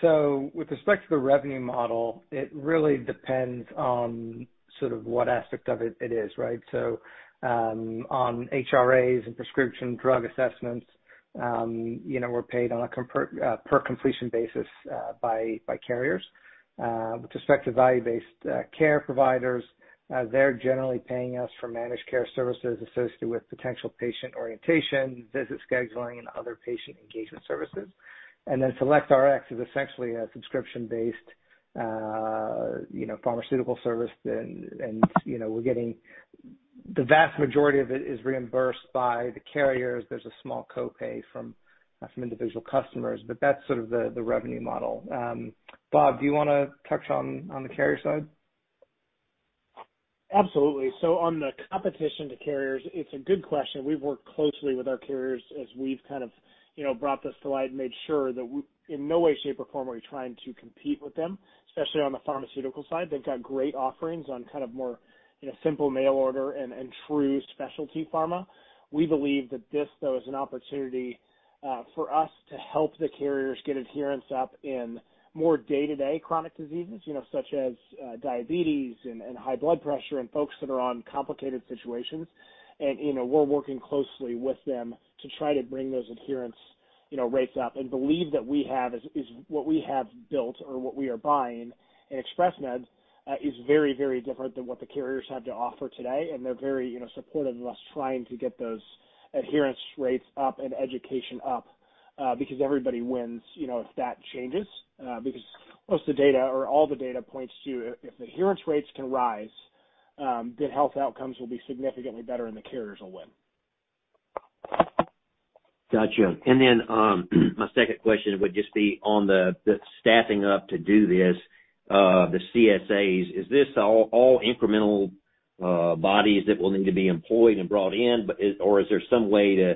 follow-up. With respect to the revenue model, it really depends on what aspect of it it is, right? On HRAs and prescription drug assessments, we're paid on a per completion basis by carriers. With respect to value-based care providers, they're generally paying us for managed care services associated with potential patient orientation, visit scheduling, and other patient engagement services. SelectRx is essentially a subscription-based pharmaceutical service. The vast majority of it is reimbursed by the carriers. There's a small copay from some individual customers. That's sort of the revenue model. Bob, do you want to touch on the carrier side? Absolutely. On the competition to carriers, it's a good question. We've worked closely with our carriers as we've kind of brought this to light and made sure that we, in no way, shape, or form, are we trying to compete with them, especially on the pharmaceutical side. They've got great offerings on more simple mail order and true specialty pharma. We believe that this, though, is an opportunity for us to help the carriers get adherence up in more day-to-day chronic diseases such as diabetes and high blood pressure and folks that are on complicated situations. We're working closely with them to try to bring those adherence rates up and believe that what we have built or what we are buying in Express Med is very different than what the carriers have to offer today, and they're very supportive of us trying to get those adherence rates up and education up because everybody wins if that changes. Most of the data, or all the data points to if adherence rates can rise, then health outcomes will be significantly better, and the carriers will win. Gotcha. My second question would just be on the staffing up to do this, the CSAs. Is this all incremental bodies that will need to be employed and brought in, or is there some way to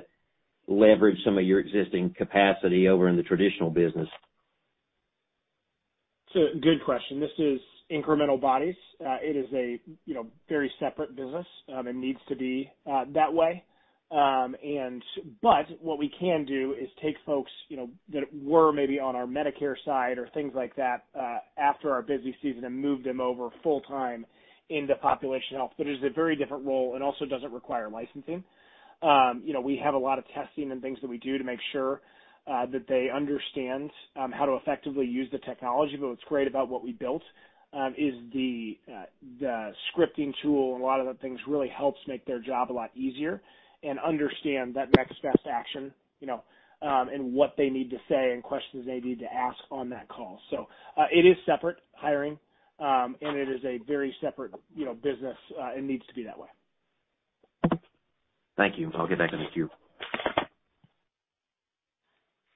leverage some of your existing capacity over in the traditional business? It's a good question. This is incremental bodies. It is a very separate business, and it needs to be that way. What we can do is take folks that were maybe on our Medicare side or things like that after our busy season and move them over full time into Population Health. It is a very different role and also doesn't require licensing. We have a lot of testing and things that we do to make sure that they understand how to effectively use the technology, what is great about what we built is the scripting tool and a lot of the things really helps make their job a lot easier and understand that Next Best Action, and what they need to say and questions they need to ask on that call. It is separate hiring, and it is a very separate business. It needs to be that way. Thank you. I'll get back in the queue.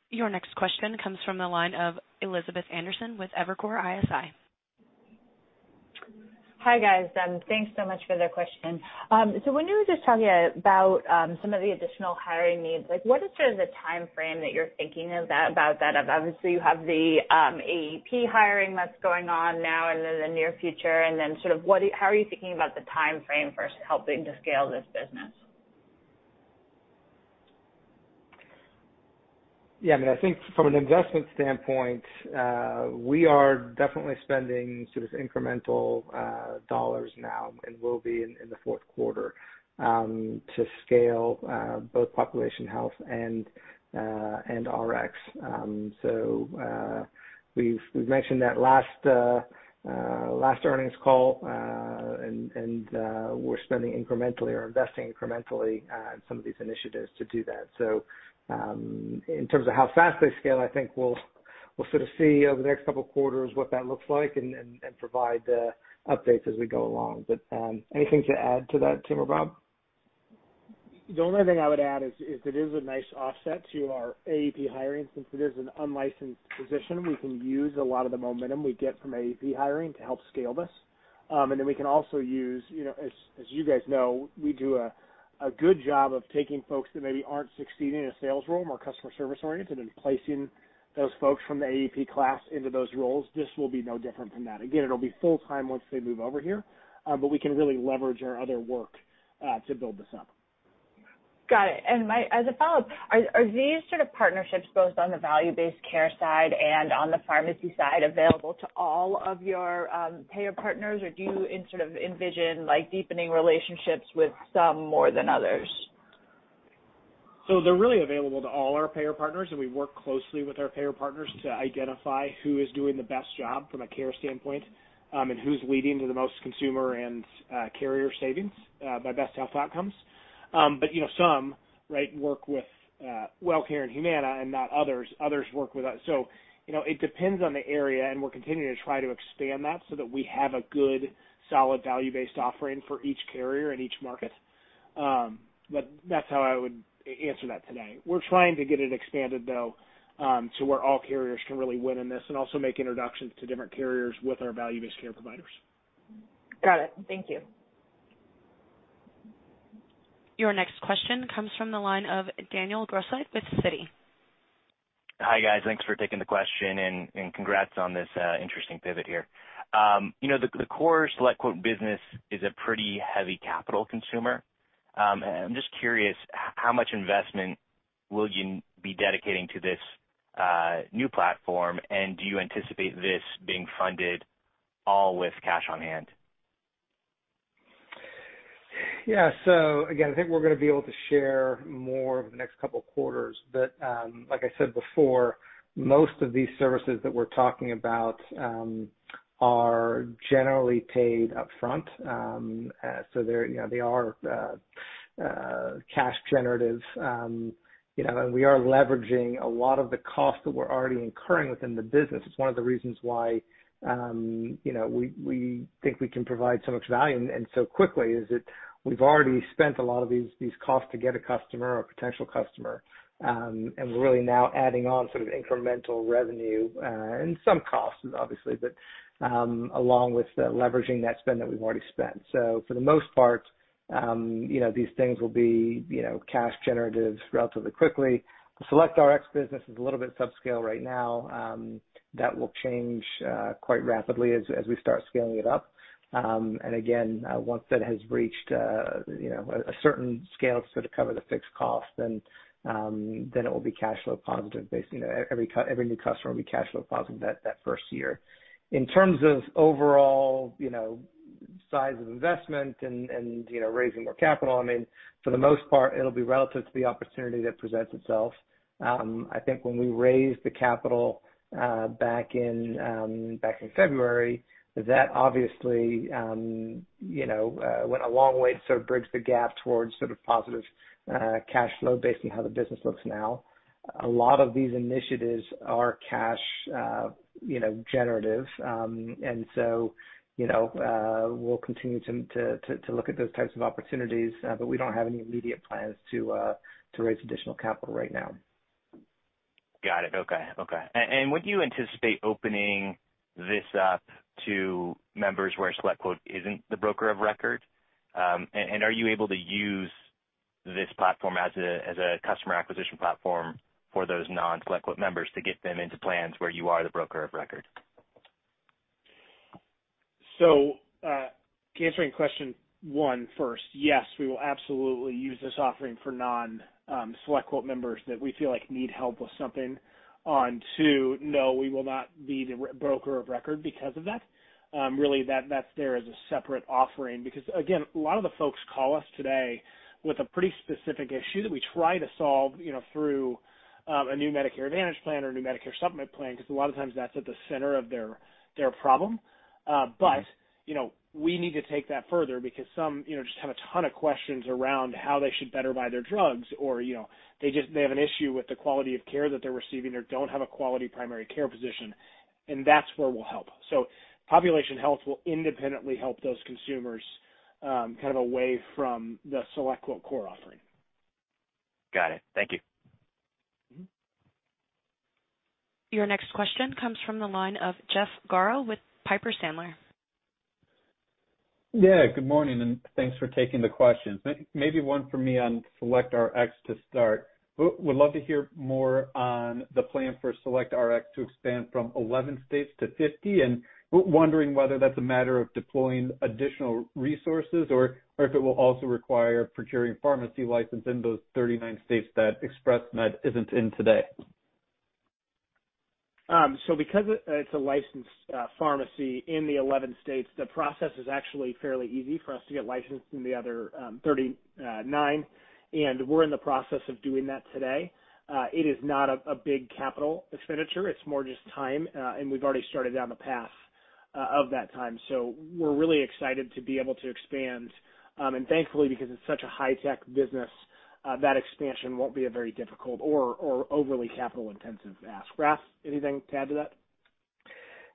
Your next question comes from the line of Elizabeth Anderson with Evercore ISI. Hi, guys. Thanks so much for the question. When you were just talking about some of the additional hiring needs, what is sort of the timeframe that you're thinking about that? Obviously, you have the AEP hiring that's going on now and in the near future. How are you thinking about the timeframe for helping to scale this business? I think from an investment standpoint, we are definitely spending sort of incremental dollars now and will be in the fourth quarter to scale both Population Health and SelectRx. We've mentioned that last earnings call, and we're spending incrementally or investing incrementally in some of these initiatives to do that. In terms of how fast they scale, I think we'll sort of see over the next couple of quarters what that looks like and provide updates as we go along. Anything to add to that, Tim or Bob? The only thing I would add is it is a nice offset to our AEP hiring. Since it is an unlicensed position, we can use a lot of the momentum we get from AEP hiring to help scale this. We can also use, as you guys know, we do a good job of taking folks that maybe aren't succeeding in a sales role, more customer service oriented, and placing those folks from the AEP class into those roles. This will be no different from that. Again, it'll be full time once they move over here, but we can really leverage our other work to build this up. Got it. As a follow-up, are these sort of partnerships, both on the value-based care side and on the pharmacy side, available to all of your payer partners, or do you sort of envision deepening relationships with some more than others? They're really available to all our payer partners, and we work closely with our payer partners to identify who is doing the best job from a care standpoint, and who's leading to the most consumer and carrier savings by best health outcomes. Some work with Wellcare and Humana and not others. Others work with us. It depends on the area, and we're continuing to try to expand that so that we have a good, solid value-based offering for each carrier in each market. That's how I would answer that today. We're trying to get it expanded, though, to where all carriers can really win in this, and also make introductions to different carriers with our value-based care providers. Got it. Thank you. Your next question comes from the line of Daniel Grosslight with Citi. Hi, guys. Thanks for taking the question and congrats on this interesting pivot here. The core SelectQuote business is a pretty heavy capital consumer. I'm just curious, how much investment will you be dedicating to this new platform, and do you anticipate this being funded all with cash on hand? Yeah. Again, I think we're going to be able to share more over the next couple of quarters. Like I said before, most of these services that we're talking about are generally paid upfront. They are cash generative. We are leveraging a lot of the cost that we're already incurring within the business. It's one of the reasons why we think we can provide so much value and so quickly, is that we've already spent a lot of these costs to get a customer or potential customer, and we're really now adding on sort of incremental revenue, and some costs, obviously, but along with the leveraging that spend that we've already spent. For the most part, these things will be cash generative relatively quickly. The SelectRx business is a little bit subscale right now. That will change quite rapidly as we start scaling it up. Again, once that has reached a certain scale to cover the fixed cost, then it will be cash flow positive, every new customer will be cash flow positive that first year. In terms of overall size of investment and raising more capital, I mean, for the most part, it'll be relative to the opportunity that presents itself. I think when we raised the capital back in February, that obviously went a long way to sort of bridge the gap towards sort of positive cash flow based on how the business looks now. A lot of these initiatives are cash generative. We'll continue to look at those types of opportunities, but we don't have any immediate plans to raise additional capital right now. Got it. Okay. Would you anticipate opening this up to members where SelectQuote isn't the broker of record? Are you able to use this platform as a customer acquisition platform for those non-SelectQuote members to get them into plans where you are the broker of record? Answering question one first. Yes, we will absolutely use this offering for non-SelectQuote members that we feel like need help with something. Two, no, we will not be the broker of record because of that. That's there as a separate offering, because, again, a lot of the folks call us today with a pretty specific issue that we try to solve through a new Medicare Advantage plan or a new Medicare Supplement plan, because a lot of times that's at the center of their problem. We need to take that further because some just have a ton of questions around how they should better buy their drugs, or they have an issue with the quality of care that they're receiving or don't have a quality primary care physician, and that's where we'll help. Population Health will independently help those consumers, kind of away from the SelectQuote core offering. Got it. Thank you. Your next question comes from the line of Jeff Garro with Piper Sandler. Good morning, and thanks for taking the question. Maybe one for me on SelectRx to start. Would love to hear more on the plan for SelectRx to expand from 11 states to 50, and wondering whether that's a matter of deploying additional resources or if it will also require procuring pharmacy license in those 39 states that Express Med isn't in today. Because it's a licensed pharmacy in the 11 states, the process is actually fairly easy for us to get licensed in the other 39, and we're in the process of doing that today. It is not a big capital expenditure. It's more just time, and we've already started down the path of that time. We're really excited to be able to expand. Thankfully, because it's such a high-tech business, that expansion won't be a very difficult or overly capital intensive ask. Raff, anything to add to that?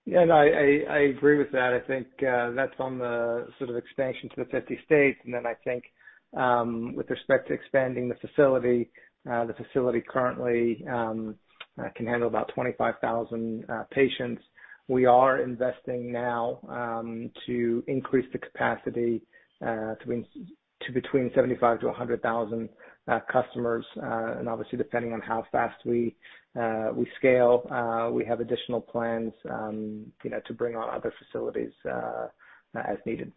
Yeah, no, I agree with that. I think that's on the sort of expansion to the 50 states. I think, with respect to expanding the facility, the facility currently can handle about 25,000 patients. We are investing now to increase the capacity to between 75,000-100,000 customers. Obviously, depending on how fast we scale, we have additional plans to bring on other facilities, as needed.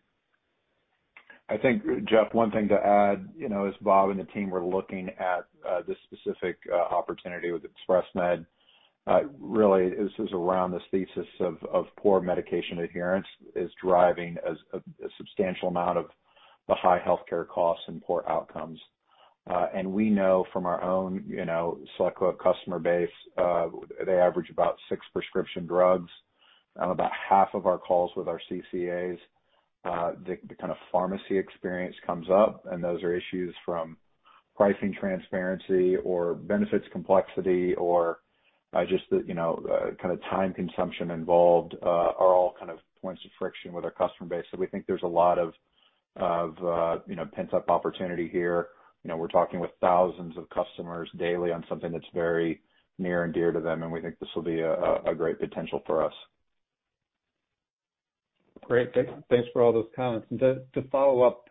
I think, Jeff, one thing to add is Bob and the team were looking at this specific opportunity with Express Med. Really, this is around this thesis of poor medication adherence is driving a substantial amount of the high healthcare costs and poor outcomes. We know from our own SelectQuote customer base, they average about six prescription drugs. About half of our calls with our CCAs, the pharmacy experience comes up. Those are issues from pricing transparency or benefits complexity, or just the time consumption involved, are all points of friction with our customer base. We think there's a lot of pent-up opportunity here. We're talking with thousands of customers daily on something that's very near and dear to them. We think this will be a great potential for us. Great. Thanks for all those comments. To follow up,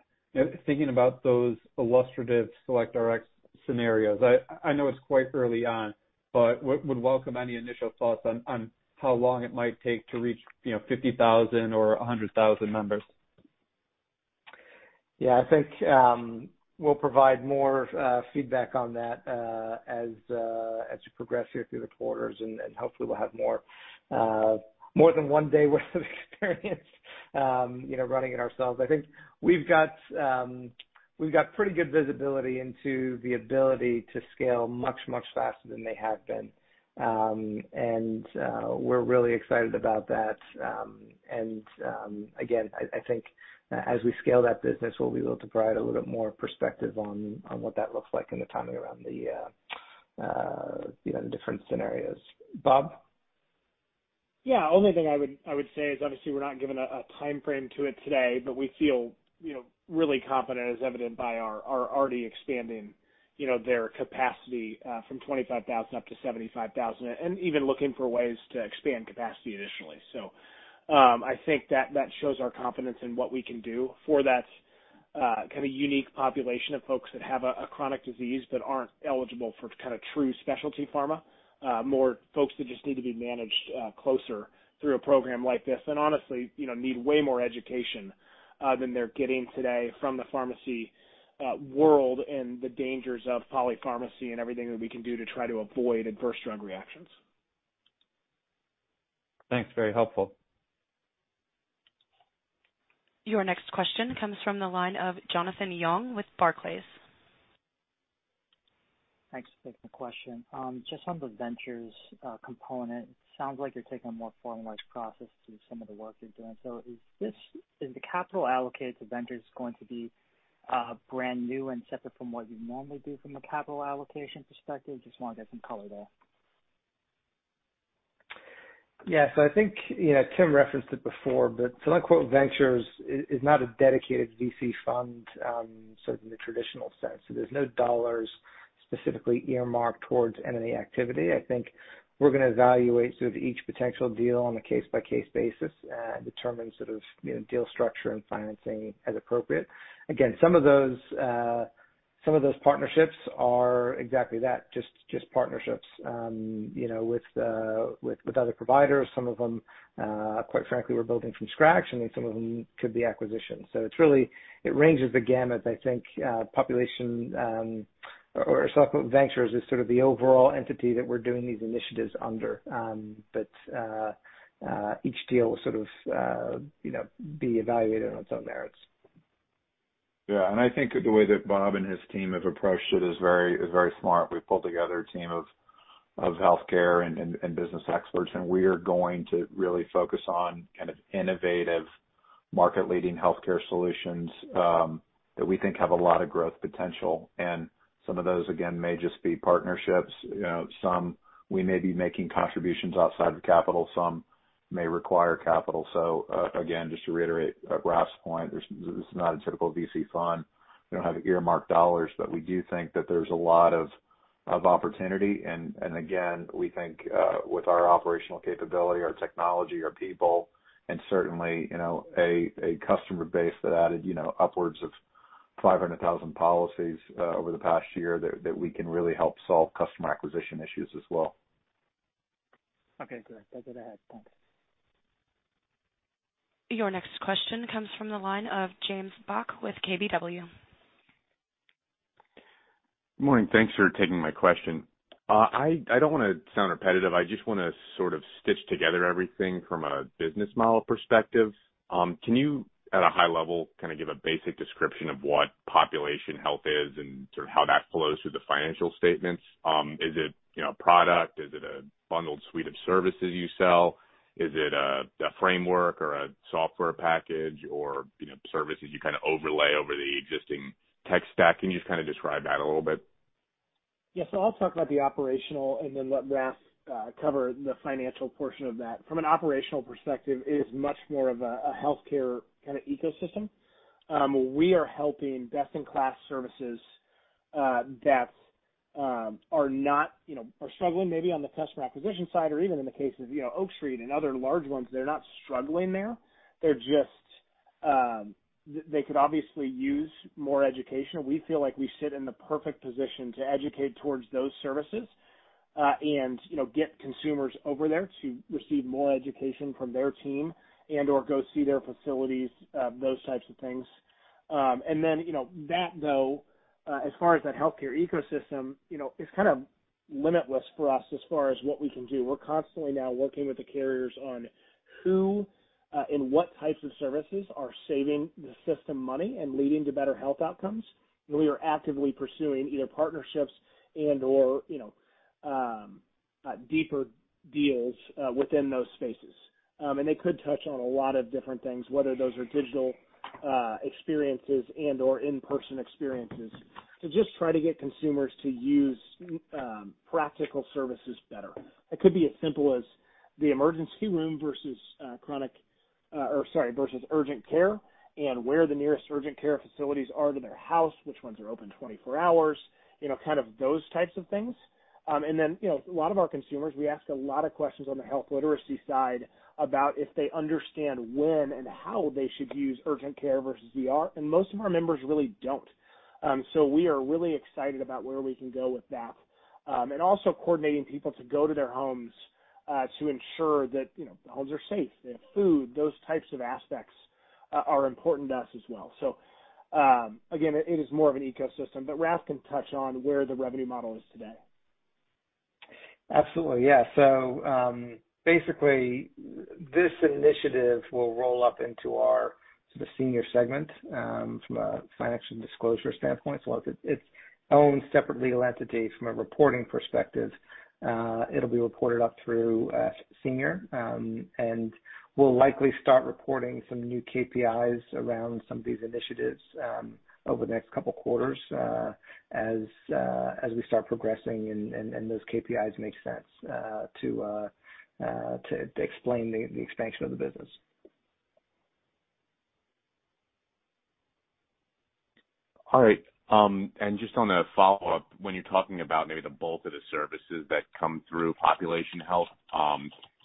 thinking about those illustrative SelectRx scenarios, I know it's quite early on, but would welcome any initial thoughts on how long it might take to reach 50,000 or 100,000 members. Yeah. I think we'll provide more feedback on that as we progress you through the quarters, and hopefully we'll have more than one day worth of experience running it ourselves. I think we've got pretty good visibility into the ability to scale much, much faster than they have been. We're really excited about that. Again, I think as we scale that business, we'll be able to provide a little bit more perspective on what that looks like and the timing around the different scenarios. Bob? Yeah. Only thing I would say is, obviously, we're not giving a timeframe to it today, but we feel really confident, as evident by our already expanding their capacity from 25,000 up to 75,000, and even looking for ways to expand capacity additionally. I think that shows our confidence in what we can do for that kind of unique population of folks that have a chronic disease but aren't eligible for true specialty pharma. More folks that just need to be managed closer through a program like this, and honestly, need way more education, than they're getting today from the pharmacy world, and the dangers of polypharmacy and everything that we can do to try to avoid adverse drug reactions. Thanks. Very helpful. Your next question comes from the line of Jonathan Yong with Barclays. Thanks for taking the question. Just on the ventures component, sounds like you're taking a more formalized process to some of the work you're doing. Is the capital allocated to ventures going to be brand new and separate from what you normally do from a capital allocation perspective? Just want to get some color there. I think Tim referenced it before, but SelectQuote Ventures is not a dedicated VC fund, so in the traditional sense. There's no dollars specifically earmarked towards M&A activity. I think we're going to evaluate sort of each potential deal on a case-by-case basis and determine sort of deal structure and financing as appropriate. Again, some of those partnerships are exactly that, just partnerships with other providers. Some of them, quite frankly, we're building from scratch, and then some of them could be acquisitions. It ranges the gamut, I think. SelectQuote Ventures is sort of the overall entity that we're doing these initiatives under. Each deal will sort of be evaluated on its own merits. Yeah. I think the way that Bob and his team have approached it is very smart. We pulled together a team of healthcare and business experts, we are going to really focus on kind of innovative market-leading healthcare solutions, that we think have a lot of growth potential. Some of those, again, may just be partnerships. Some we may be making contributions outside of capital, some may require capital. Again, just to reiterate Raff's point, this is not a typical VC fund. We don't have earmarked dollars, but we do think that there's a lot of opportunity. Again, we think, with our operational capability, our technology, our people, and certainly a customer base that added upwards of 500,000 policies over the past year, that we can really help solve customer acquisition issues as well. Okay, great. That's it, I think. Thanks. Your next question comes from the line of James Bach with KBW. Morning. Thanks for taking my question. I don't want to sound repetitive. I just want to sort of stitch together everything from a business model perspective. Can you, at a high level, kind of give a basic description of what Population Health is and sort of how that flows through the financial statements? Is it a product? Is it a bundled suite of services you sell? Is it a framework or a software package or services you kind of overlay over the existing tech stack? Can you just kind of describe that a little bit? I'll talk about the operational and then let Raff cover the financial portion of that. From an operational perspective, it is much more of a healthcare kind of ecosystem. We are helping best-in-class services that are struggling maybe on the customer acquisition side or even in the case of Oak Street and other large ones, they're not struggling there. They could obviously use more education. We feel like we sit in the perfect position to educate towards those services, and get consumers over there to receive more education from their team and/or go see their facilities, those types of things. That though, as far as that healthcare ecosystem, is kind of limitless for us as far as what we can do. We're constantly now working with the carriers on who and what types of services are saving the system money and leading to better health outcomes. We are actively pursuing either partnerships and/or deeper deals within those spaces. They could touch on a lot of different things, whether those are digital experiences and/or in-person experiences, to just try to get consumers to use practical services better. It could be as simple as the emergency room versus urgent care and where the nearest urgent care facilities are to their house, which ones are open 24 hours, kind of those types of things. Then, a lot of our consumers, we ask a lot of questions on the health literacy side about if they understand when and how they should use urgent care versus ER, and most of our members really don't. We are really excited about where we can go with that. Also coordinating people to go to their homes, to ensure that the homes are safe, they have food, those types of aspects are important to us as well. Again, it is more of an ecosystem, but Raff can touch on where the revenue model is today. Absolutely. Yeah. Basically this initiative will roll up into our sort of Senior segment, from a financial disclosure standpoint. While it's own separate legal entity from a reporting perspective, it'll be reported up through Senior. We'll likely start reporting some new KPIs around some of these initiatives over the next couple of quarters, as we start progressing and those KPIs make sense to explain the expansion of the business. All right. Just on a follow-up, when you're talking about maybe the bulk of the services that come through Population Health, I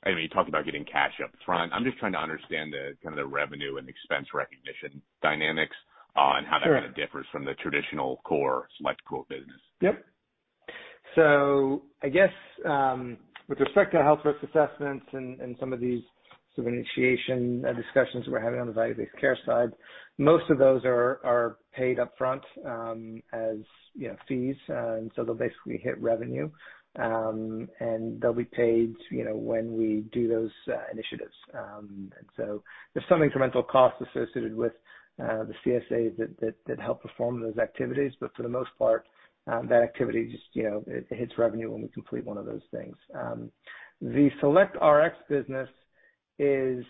mean, you talked about getting cash up front. I'm just trying to understand the kind of the revenue and expense recognition dynamics- Sure. How that kind of differs from the traditional core SelectQuote business. Yep. I guess, with respect to health risk assessments and some of these sort of initiation discussions we're having on the value-based care side, most of those are paid upfront, as fees, and they'll basically hit revenue, and they'll be paid when we do those initiatives. There's some incremental costs associated with the CSAs that help perform those activities. For the most part, that activity just hits revenue when we complete one of those things. The SelectRx business is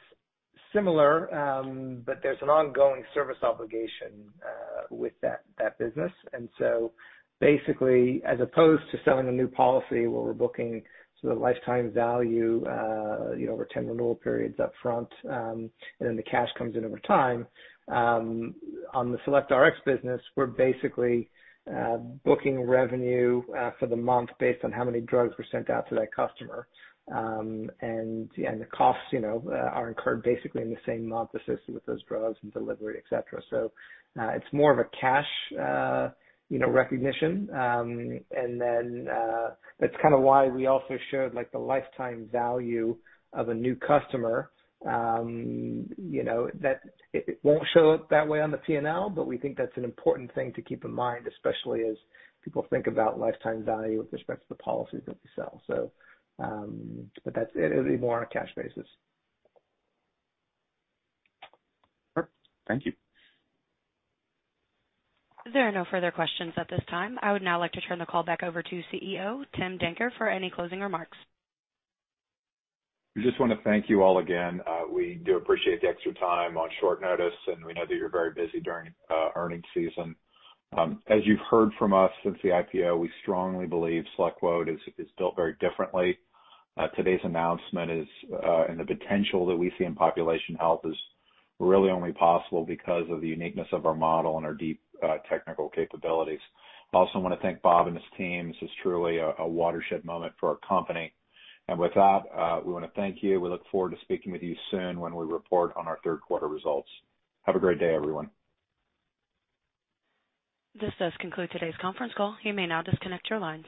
similar, but there's an ongoing service obligation with that business. Basically, as opposed to selling a new policy where we're booking sort of lifetime value, over 10 renewal periods up front, and then the cash comes in over time, on the SelectRx business, we're basically booking revenue for the month based on how many drugs were sent out to that customer. Yeah, the costs are incurred basically in the same month associated with those drugs and delivery, et cetera. It's more of a cash recognition, and then that's kind of why we also showed like the lifetime value of a new customer. It won't show up that way on the P&L, but we think that's an important thing to keep in mind, especially as people think about lifetime value with respect to the policies that we sell. That's it. It'll be more on a cash basis. Perfect. Thank you. There are no further questions at this time. I would now like to turn the call back over to CEO, Tim Danker, for any closing remarks. We just want to thank you all again. We do appreciate the extra time on short notice, and we know that you're very busy during earnings season. As you've heard from us since the IPO, we strongly believe SelectQuote is built very differently. Today's announcement and the potential that we see in Population Health is really only possible because of the uniqueness of our model and our deep technical capabilities. I also want to thank Bob and his team. This is truly a watershed moment for our company. With that, we want to thank you. We look forward to speaking with you soon when we report on our third quarter results. Have a great day, everyone. This does conclude today's conference call. You may now disconnect your lines.